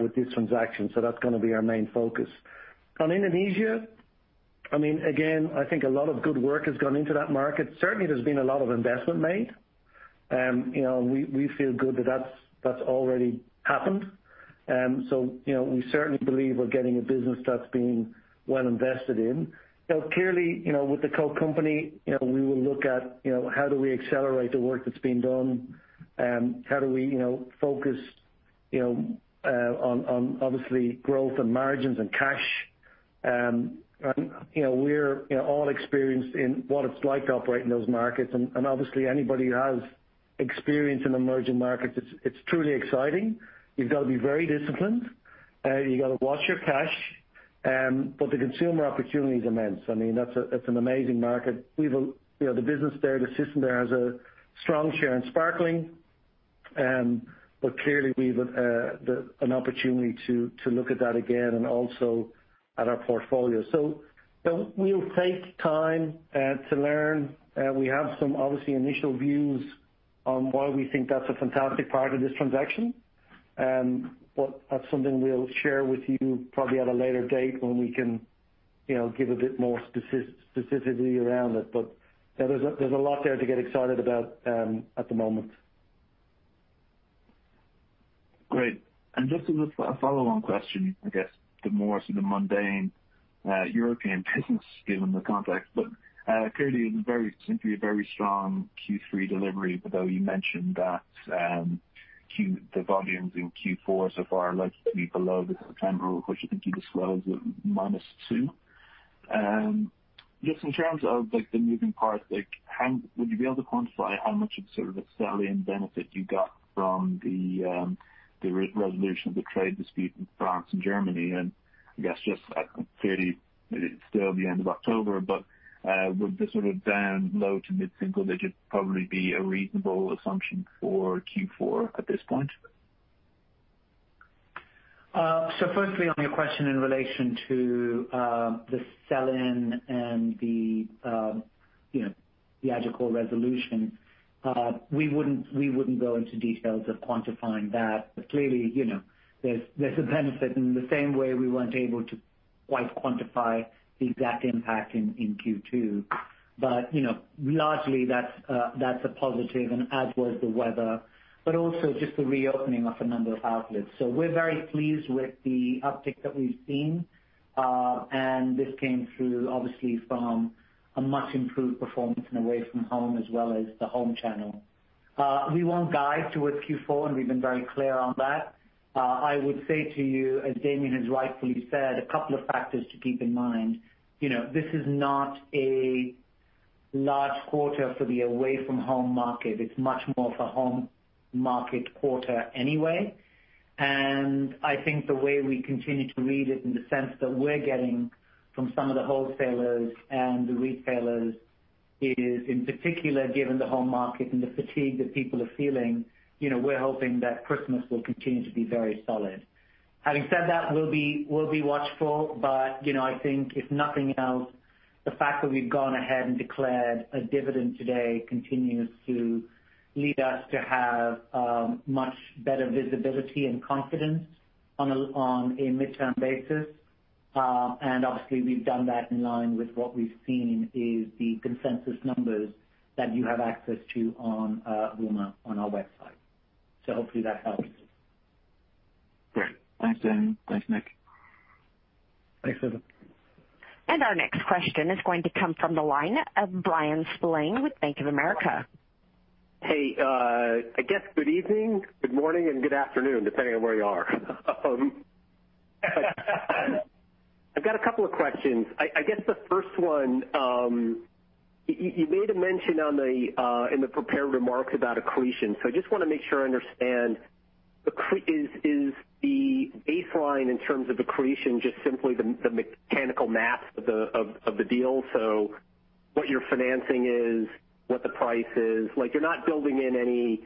with this transaction. So that's gonna be our main focus. On Indonesia, I mean, again, I think a lot of good work has gone into that market. Certainly, there's been a lot of investment made. You know, we feel good that that's already happened. So, you know, we certainly believe we're getting a business that's been well invested in. Now, clearly, you know, with the Coke company, you know, we will look at, you know, how do we accelerate the work that's been done? How do we, you know, focus, you know, on obviously, growth and margins and cash? And, you know, we're, you know, all experienced in what it's like to operate in those markets. And, and obviously, anybody who has experience in emerging markets, it's truly exciting. You've got to be very disciplined, you've got to watch your cash, but the consumer opportunity is immense. I mean, that's an amazing market. We will. You know, the business there, the system there has a strong share in Sparkling. But clearly, we've an opportunity to look at that again and also at our portfolio. So we'll take time to learn. We have some, obviously, initial views on why we think that's a fantastic part of this transaction. But that's something we'll share with you probably at a later date when we can, you know, give a bit more specifically around it. But there's a lot there to get excited about at the moment. Great. And just as a follow-on question, I guess the more sort of mundane, European business, given the context, but, clearly it's very simply a very strong Q3 delivery, although you mentioned that, the volumes in Q4 so far are likely to be below the September, which I think you disclosed at minus two. Just in terms of, like, the moving parts, like, how would you be able to quantify how much of sort of a sell-in benefit you got from the, the resolution of the trade dispute in France and Germany? And I guess just, clearly it is still the end of October, but, would the sort of down low to mid-single digit probably be a reasonable assumption for Q4 at this point? So firstly, on your question in relation to the sell-in and the, you know, the magical resolution, we wouldn't go into details of quantifying that, but clearly, you know, there's a benefit in the same way we weren't able to quite quantify the exact impact in Q2. But, you know, largely, that's a positive, and as was the weather, but also just the reopening of a number of outlets. So we're very pleased with the uptick that we've seen, and this came through obviously from a much improved performance and away from home as well as the home channel. We won't guide towards Q4, and we've been very clear on that. I would say to you, as Damian has rightfully said, a couple of factors to keep in mind. You know, this is not a large quarter for the away-from-home market. It's much more of a home market quarter anyway. And I think the way we continue to read it, in the sense that we're getting from some of the wholesalers and the retailers, is in particular, given the home market and the fatigue that people are feeling, you know, we're hoping that Christmas will continue to be very solid. Having said that, we'll be watchful, but, you know, I think if nothing else, the fact that we've gone ahead and declared a dividend today continues to lead us to have much better visibility and confidence on a midterm basis. And obviously, we've done that in line with what we've seen is the consensus numbers that you have access to on our website. So hopefully that helps. Great. Thanks, Damian. Thanks, Nik. Thanks, Fintan. Our next question is going to come from the line of Bryan Spillane with Bank of America. Hey, I guess good evening, good morning, and good afternoon, depending on where you are. I've got a couple of questions. I guess the first one, you made a mention in the prepared remarks about accretion, so I just want to make sure I understand. Is the baseline in terms of accretion just simply the mechanical math of the deal? So what your financing is, what the price is, like, you're not building in any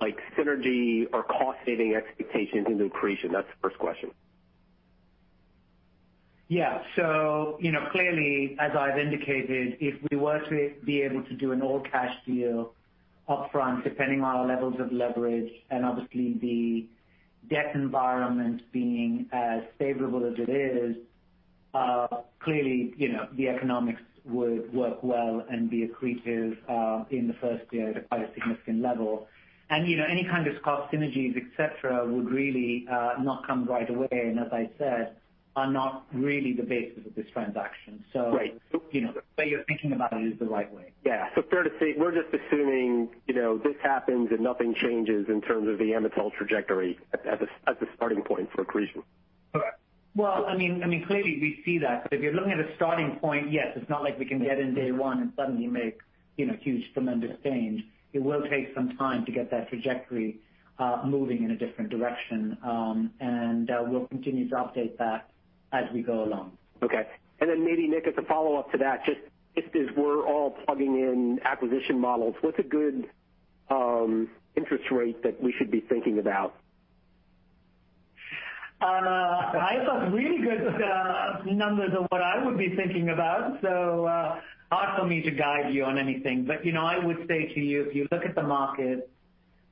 like synergy or cost-saving expectations into accretion. That's the first question. Yeah. So, you know, clearly, as I've indicated, if we were to be able to do an all-cash deal upfront, depending on our levels of leverage and obviously the debt environment being as favorable as it is, clearly, you know, the economics would work well and be accretive, in the first year at a quite a significant level. And, you know, any kind of cost synergies, et cetera, would really, not come right away, and as I said, are not really the basis of this transaction, so- Right. You know, but you're thinking about it is the right way. Yeah. So fair to say, we're just assuming, you know, this happens, and nothing changes in terms of the Amatil trajectory at the starting point for accretion. I mean, clearly we see that. But if you're looking at a starting point, yes, it's not like we can get in day one and suddenly make, you know, huge, tremendous change. It will take some time to get that trajectory moving in a different direction. And we'll continue to update that as we go along. Okay. And then maybe, Nik, as a follow-up to that, just as we're all plugging in acquisition models, what's a good interest rate that we should be thinking about? I have got really good numbers of what I would be thinking about, so hard for me to guide you on anything. But, you know, I would say to you, if you look at the market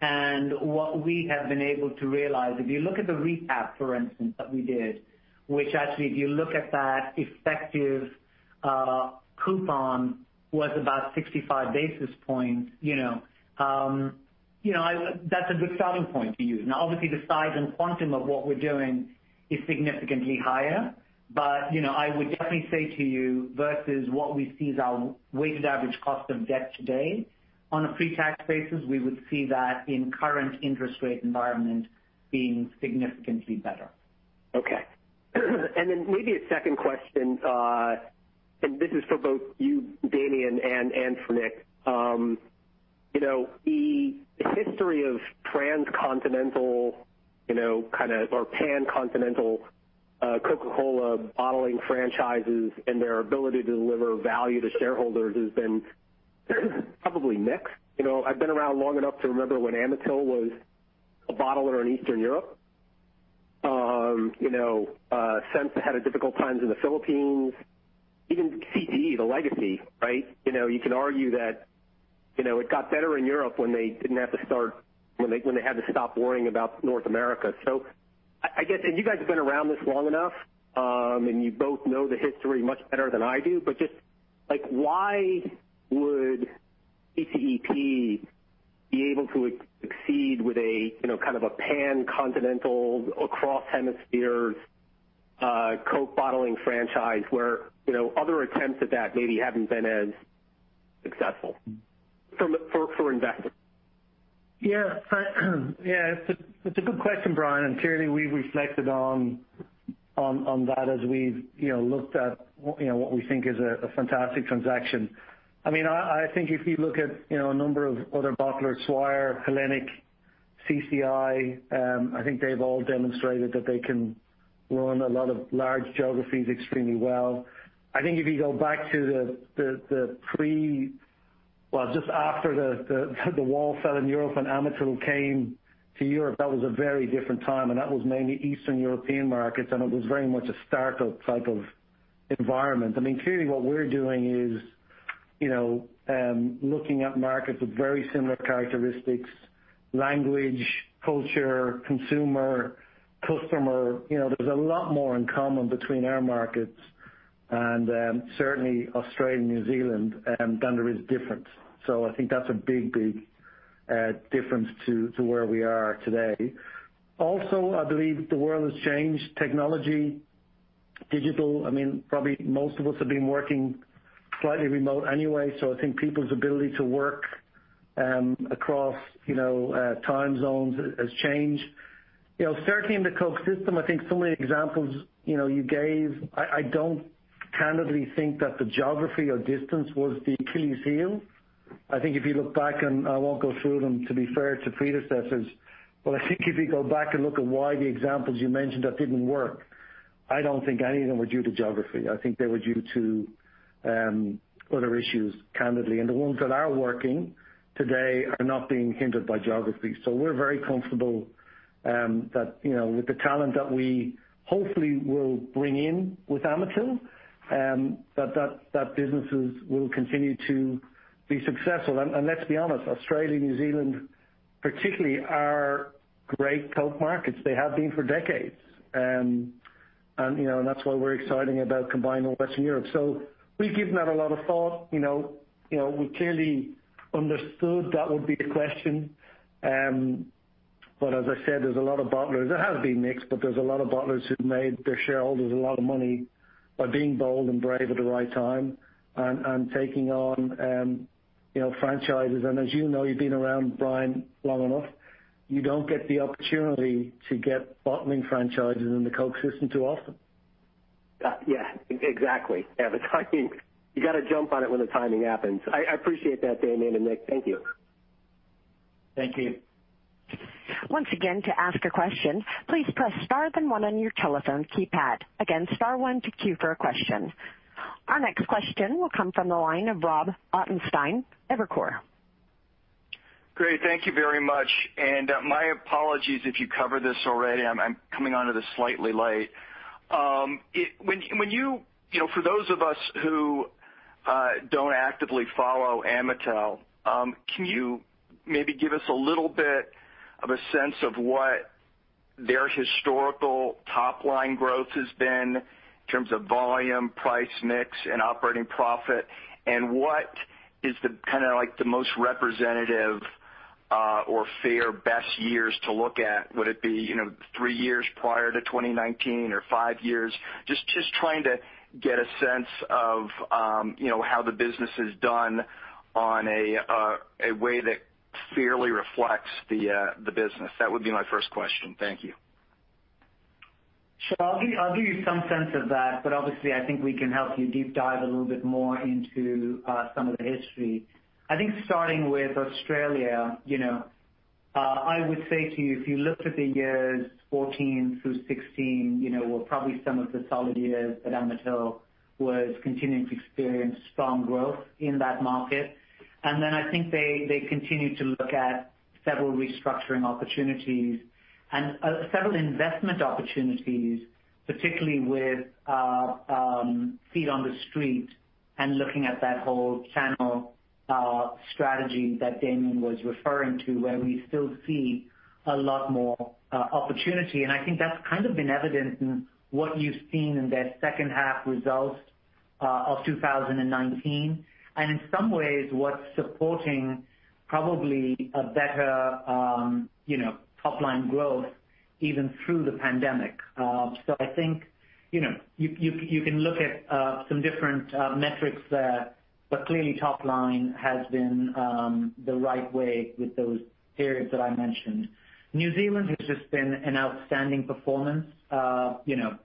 and what we have been able to realize, if you look at the recap, for instance, that we did, which actually, if you look at that effective coupon, was about 65 basis points, you know, that's a good starting point to use. Now, obviously, the size and quantum of what we're doing is significantly higher, but, you know, I would definitely say to you, versus what we see as our weighted average cost of debt today, on a pre-tax basis, we would see that in current interest rate environment being significantly better. Okay. And then maybe a second question, and this is for both you, Damian and for Nik. You know, the history of transcontinental, you know, kind of, or pan-continental, Coca-Cola bottling franchises and their ability to deliver value to shareholders has been probably mixed. You know, I've been around long enough to remember when Amatil was a bottler in Eastern Europe. You know, since they had a difficult time in the Philippines, even CCE, the legacy, right? You know, you can argue that, you know, it got better in Europe when they had to stop worrying about North America. So I get and you guys have been around this long enough, and you both know the history much better than I do, but just, like, why would CCEP be able to exceed with a, you know, kind of a pan-continental, across hemispheres, Coke bottling franchise where, you know, other attempts at that maybe haven't been as successful from a, for investors? Yeah. Yeah, it's a good question, Brian, and clearly, we've reflected on that as we've, you know, looked at, you know, what we think is a fantastic transaction. I mean, I think if you look at, you know, a number of other bottlers, Swire, Hellenic, CCI, I think they've all demonstrated that they can run a lot of large geographies extremely well. I think if you go back to... Well, just after the Wall fell in Europe and Amatil came to Europe, that was a very different time, and that was mainly Eastern European markets, and it was very much a startup type of environment. I mean, clearly, what we're doing is, you know, looking at markets with very similar characteristics, language, culture, consumer, customer. You know, there's a lot more in common between our markets and certainly Australia and New Zealand than there is different. So I think that's a big, big difference to where we are today. Also, I believe the world has changed. Technology, digital, I mean, probably most of us have been working slightly remote anyway, so I think people's ability to work across, you know, time zones has changed. You know, certainly in the Coke system, I think some of the examples, you know, you gave, I don't candidly think that the geography or distance was the deal killer. I think if you look back, and I won't go through them, to be fair to predecessors, but I think if you go back and look at why the examples you mentioned that didn't work, I don't think any of them were due to geography. I think they were due to other issues, candidly. And the ones that are working today are not being hindered by geography. So we're very comfortable that, you know, with the talent that we hopefully will bring in with Amatil, that businesses will continue to be successful. And let's be honest, Australia, New Zealand, particularly, are great Coke markets. They have been for decades. And, you know, that's why we're excited about combining Western Europe. So we've given that a lot of thought. You know, we clearly understood that would be the question. But as I said, there's a lot of bottlers. It has been mixed, but there's a lot of bottlers who've made their shareholders a lot of money by being bold and brave at the right time and taking on, you know, franchises. And as you know, you've been around, Brian, long enough, you don't get the opportunity to get bottling franchises in the Coke system too often. Yeah, exactly. Yeah, the timing. You got to jump on it when the timing happens. I appreciate that, Damian and Nik. Thank you. Thank you. Once again, to ask a question, please press Star and one on your telephone keypad. Again, star one to queue for a question. Our next question will come from the line of Rob Ottenstein, Evercore. Great. Thank you very much, and, my apologies if you covered this already. I'm coming onto this slightly late. You know, for those of us who don't actively follow Amatil, can you maybe give us a little bit of a sense of what their historical top-line growth has been in terms of volume, price, mix, and operating profit, and what is the kind of like the most representative or fair, best years to look at? Would it be, you know, three years prior to 2019 or five years? Just trying to get a sense of, you know, how the business is done on a way that fairly reflects the business. That would be my first question. Thank you. Sure. I'll give, I'll give you some sense of that, but obviously, I think we can help you deep dive a little bit more into some of the history. I think starting with Australia, you know, I would say to you, if you looked at the years 2014 through 2016, you know, were probably some of the solid years that Amatil was continuing to experience strong growth in that market. Then I think they continued to look at several restructuring opportunities and several investment opportunities, particularly with feet on the street and looking at that whole channel strategy that Damian was referring to, where we still see a lot more opportunity. I think that's kind of been evident in what you've seen in their second half results of two thousand and nineteen, and in some ways, what's supporting probably a better, you know, top-line growth even through the pandemic. I think, you know, you can look at some different metrics there, but clearly, top line has been the right way with those periods that I mentioned. New Zealand has just been an outstanding performance, you know,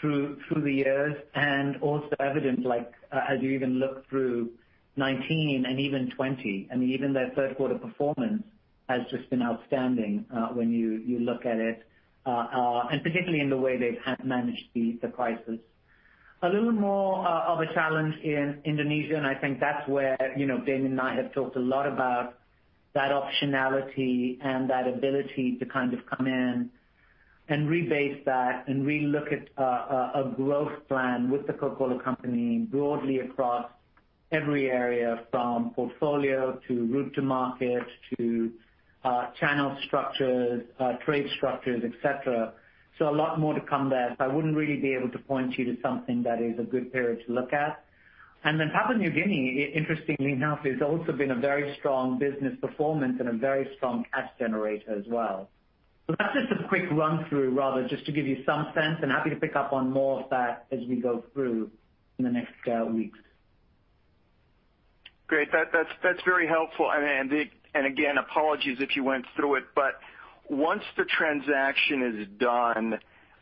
through the years, and also evident, like, as you even look through 2019 and even 2020, I mean, even their third quarter performance has just been outstanding, when you look at it, and particularly in the way they've managed the crisis. A little more of a challenge in Indonesia, and I think that's where, you know, Damian and I have talked a lot about that optionality and that ability to kind of come in and rebase that and relook at a growth plan with The Coca-Cola Company broadly across every area, from portfolio, to route to market, to channel structures, trade structures, et cetera. So a lot more to come there. So I wouldn't really be able to point you to something that is a good period to look at. And then Papua New Guinea, interestingly enough, there's also been a very strong business performance and a very strong cash generator as well. So that's just a quick run through, rather, just to give you some sense, and happy to pick up on more of that as we go through in the next weeks. Great. That's very helpful. And again, apologies if you went through it, but once the transaction is done,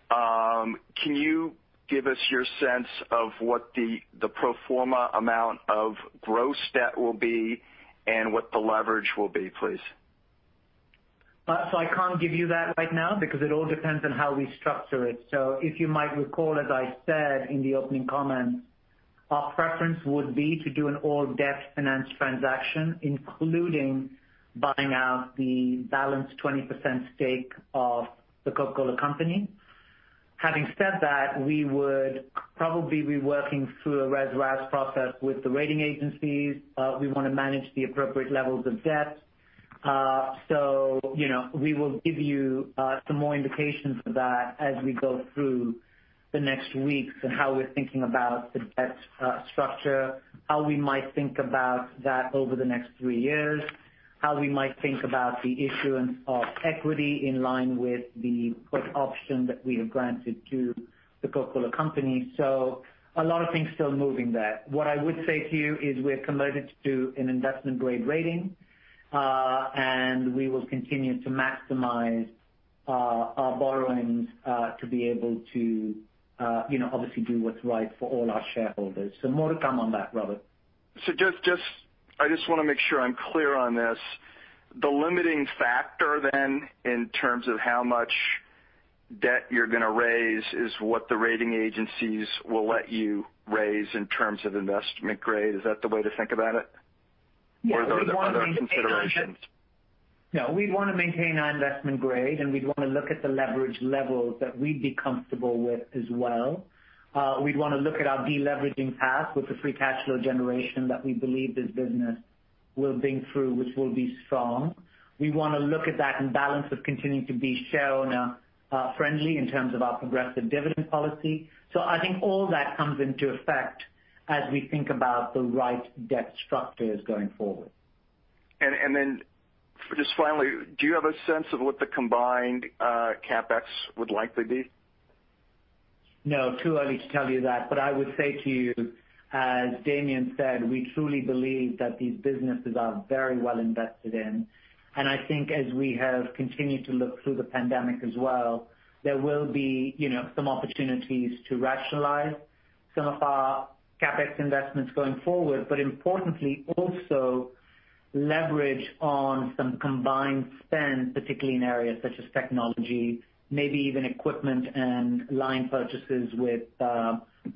can you give us your sense of what the pro forma amount of gross debt will be and what the leverage will be, please? So I can't give you that right now because it all depends on how we structure it. So if you might recall, as I said in the opening comments, our preference would be to do an all-debt finance transaction, including buying out the balance 20% stake of The Coca-Cola Company. Having said that, we would probably be working through a re-rating process with the rating agencies. We want to manage the appropriate levels of debt. So, you know, we will give you some more indications of that as we go through the next weeks and how we're thinking about the debt structure, how we might think about that over the next three years, how we might think about the issuance of equity in line with the put option that we have granted to The Coca-Cola Company. So a lot of things still moving there. What I would say to you is we're committed to an investment grade rating, and we will continue to maximize our borrowings to be able to, you know, obviously do what's right for all our shareholders. So more to come on that, Robert. So just, I just want to make sure I'm clear on this. The limiting factor then, in terms of how much debt you're going to raise, is what the rating agencies will let you raise in terms of investment grade. Is that the way to think about it? Yeah, we want to maintain our- [crosstalk] No, we'd want to maintain our investment grade, and we'd want to look at the leverage levels that we'd be comfortable with as well. We'd want to look at our deleveraging path with the free cash flow generation that we believe this business will bring through, which will be strong. We want to look at that, and balance is continuing to be shareholder friendly in terms of our progressive dividend policy. So I think all that comes into effect as we think about the right debt structures going forward. And then just finally, do you have a sense of what the combined CapEx would likely be? No, too early to tell you that, but I would say to you, as Damian said, we truly believe that these businesses are very well invested in. And I think as we have continued to look through the pandemic as well, there will be, you know, some opportunities to rationalize some of our CapEx investments going forward, but importantly, also leverage on some combined spend, particularly in areas such as technology, maybe even equipment and line purchases with,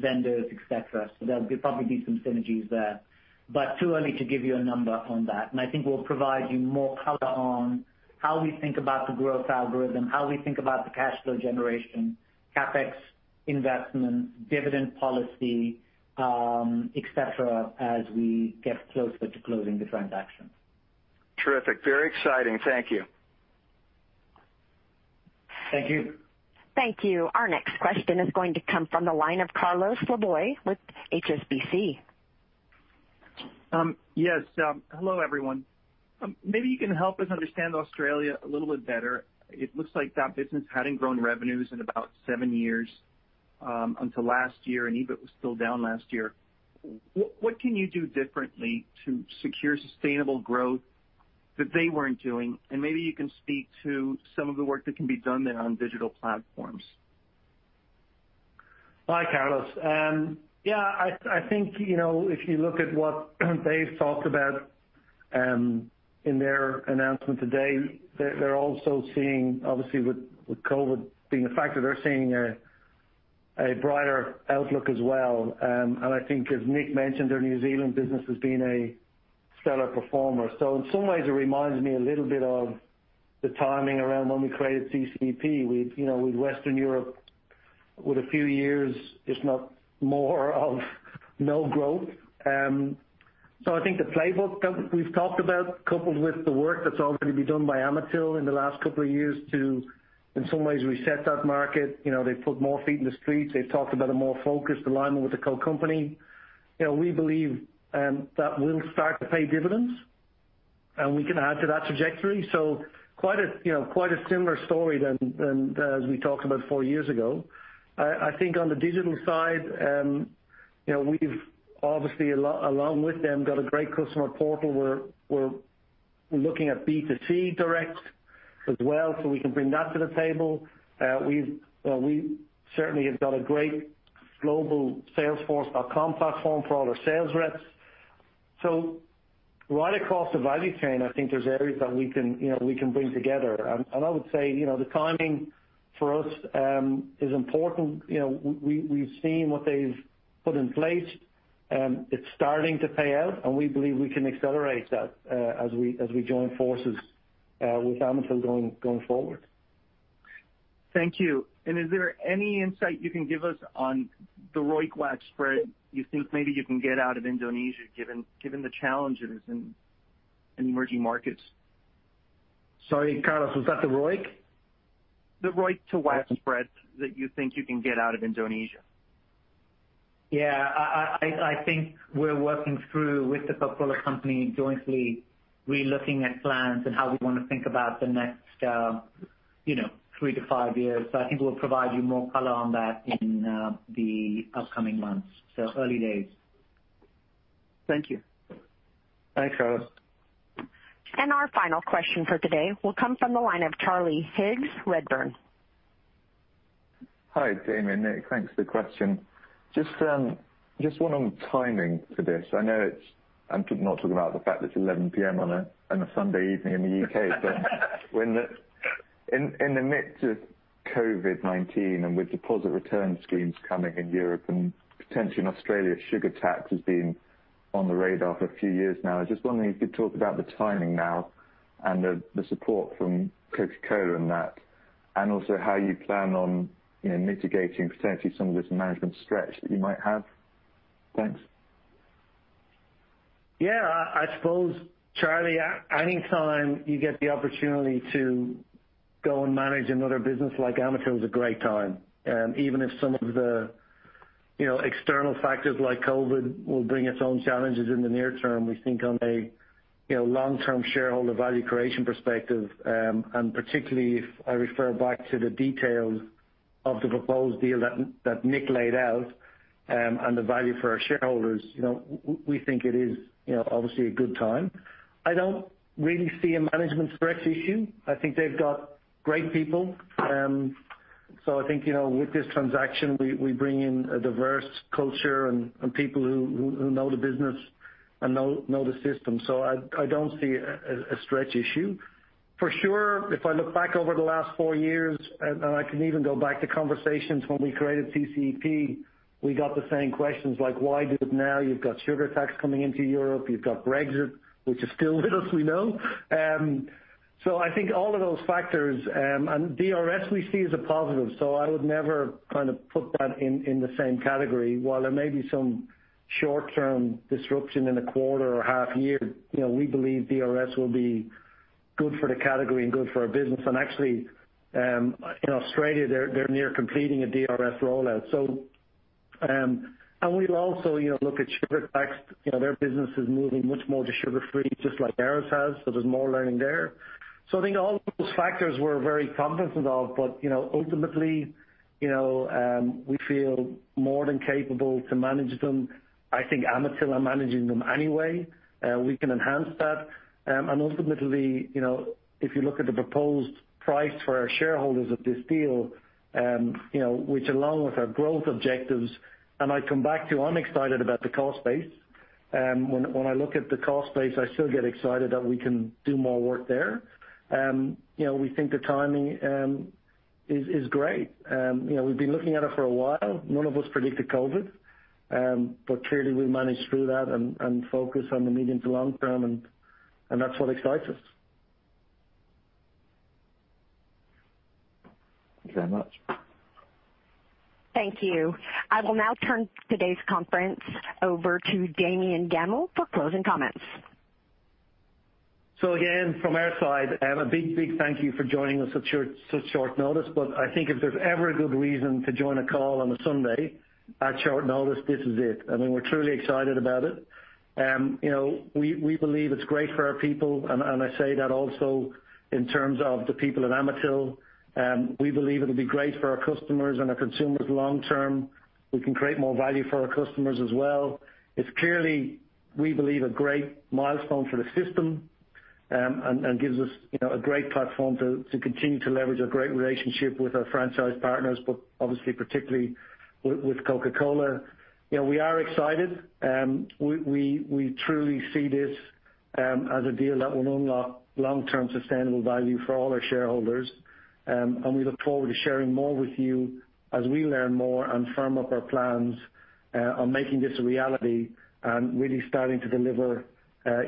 vendors, et cetera. So there'll be probably some synergies there, but too early to give you a number on that. And I think we'll provide you more color on how we think about the growth algorithm, how we think about the cash flow generation, CapEx investments, dividend policy, et cetera, as we get closer to closing the transaction. Terrific. Very exciting. Thank you. Thank you. Thank you. Our next question is going to come from the line of Carlos Laboy with HSBC. Yes. Hello, everyone. Maybe you can help us understand Australia a little bit better. It looks like that business hadn't grown revenues in about seven years, until last year, and EBIT was still down last year. What, what can you do differently to secure sustainable growth that they weren't doing, and maybe you can speak to some of the work that can be done there on digital platforms. Hi, Carlos. Yeah, I think, you know, if you look at what they've talked about in their announcement today, they're also seeing, obviously with COVID being a factor, a brighter outlook as well. I think as Nik mentioned, their New Zealand business has been a stellar performer. In some ways, it reminds me a little bit of the timing around when we created CCEP. We, you know, with Western Europe, with a few years, if not more of no growth. I think the playbook that we've talked about, coupled with the work that's already been done by Amatil in the last couple of years to, in some ways, reset that market. You know, they've put more feet in the streets. They've talked about a more focused alignment with the Coke company. You know, we believe that will start to pay dividends, and we can add to that trajectory. Quite a similar story to as we talked about four years ago. I think on the digital side, you know, we've obviously along with them got a great customer portal where we're looking at B2C direct as well, so we can bring that to the table. We certainly have got a great global Salesforce, our common platform for all our sales reps. Right across the value chain, I think there's areas that we can, you know, we can bring together, and I would say, you know, the timing for us is important. You know, we've seen what they've put in place. It's starting to pay out, and we believe we can accelerate that as we join forces with Amatil going forward. Thank you. And is there any insight you can give us on the ROIC WACC spread you think maybe you can get out of Indonesia, given the challenges in emerging markets? Sorry, Carlos, was that the ROIC? The ROIC to WACC spread that you think you can get out of Indonesia. Yeah. I think we're working through with The Coca-Cola Company jointly, relooking at plans and how we want to think about the next, you know, three to five years. So I think we'll provide you more color on that in the upcoming months. So early days. Thank you. Thanks, Carlos. Our final question for today will come from the line of Charlie Higgs, Redburn. Hi, Damian. Nik, thanks for the question. Just one on timing for this. I know it's not talking about the fact that it's 11:00 P.M. on a Sunday evening in the U.K. But when in the midst of COVID-19, and with deposit return schemes coming in Europe and potentially in Australia, sugar tax has been on the radar for a few years now. I just wondering if you could talk about the timing now and the support from Coca-Cola and that, and also how you plan on, you know, mitigating potentially some of this management stretch that you might have. Thanks. Yeah. I suppose, Charlie, anytime you get the opportunity to go and manage another business like Amatil is a great time. Even if some of the, you know, external factors like COVID will bring its own challenges in the near term, we think on a, you know, long-term shareholder value creation perspective, and particularly if I refer back to the details of the proposed deal that Nik laid out, and the value for our shareholders, you know, we think it is, you know, obviously a good time. I don't really see a management stretch issue. I think they've got great people. So I think, you know, with this transaction, we bring in a diverse culture and people who know the business and know the system. So I don't see a stretch issue. For sure, if I look back over the last four years, and I can even go back to conversations when we created CCEP, we got the same questions, like: Why do it now? You've got sugar tax coming into Europe, you've got Brexit, which is still with us, we know. So I think all of those factors, and DRS we see as a positive, so I would never kind of put that in the same category. While there may be some short-term disruption in a quarter or half year, you know, we believe DRS will be good for the category and good for our business. And actually, in Australia, they're near completing a DRS rollout. So, and we'll also, you know, look at sugar tax. You know, their business is moving much more to sugar-free, just like ours has, so there's more learning there. So I think all of those factors we're very confident of, but, you know, ultimately, you know, we feel more than capable to manage them. I think Amatil are managing them anyway, we can enhance that, and ultimately, you know, if you look at the proposed price for our shareholders of this deal, you know, which along with our growth objectives, and I come back to, I'm excited about the core space. When I look at the core space, I still get excited that we can do more work there. You know, we think the timing is great. You know, we've been looking at it for a while. None of us predicted COVID, but clearly we managed through that and focused on the medium to long term, and that's what excites us. Thank you very much. Thank you. I will now turn today's conference over to Damian Gammell for closing comments. So again, from our side, a big thank you for joining us at such short notice. But I think if there's ever a good reason to join a call on a Sunday at short notice, this is it. I mean, we're truly excited about it. You know, we believe it's great for our people, and I say that also in terms of the people at Amatil. We believe it'll be great for our customers and our consumers long term. We can create more value for our customers as well. It's clearly, we believe, a great milestone for the system, and gives us, you know, a great platform to continue to leverage a great relationship with our franchise partners, but obviously, particularly with Coca-Cola. You know, we are excited. We truly see this as a deal that will unlock long-term sustainable value for all our shareholders, and we look forward to sharing more with you as we learn more and firm up our plans on making this a reality, and really starting to deliver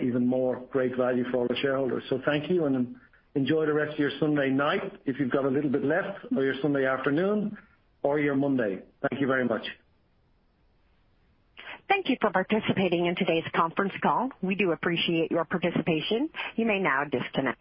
even more great value for all our shareholders, so thank you, and enjoy the rest of your Sunday night, if you've got a little bit left, or your Sunday afternoon, or your Monday. Thank you very much. Thank you for participating in today's conference call. We do appreciate your participation. You may now disconnect.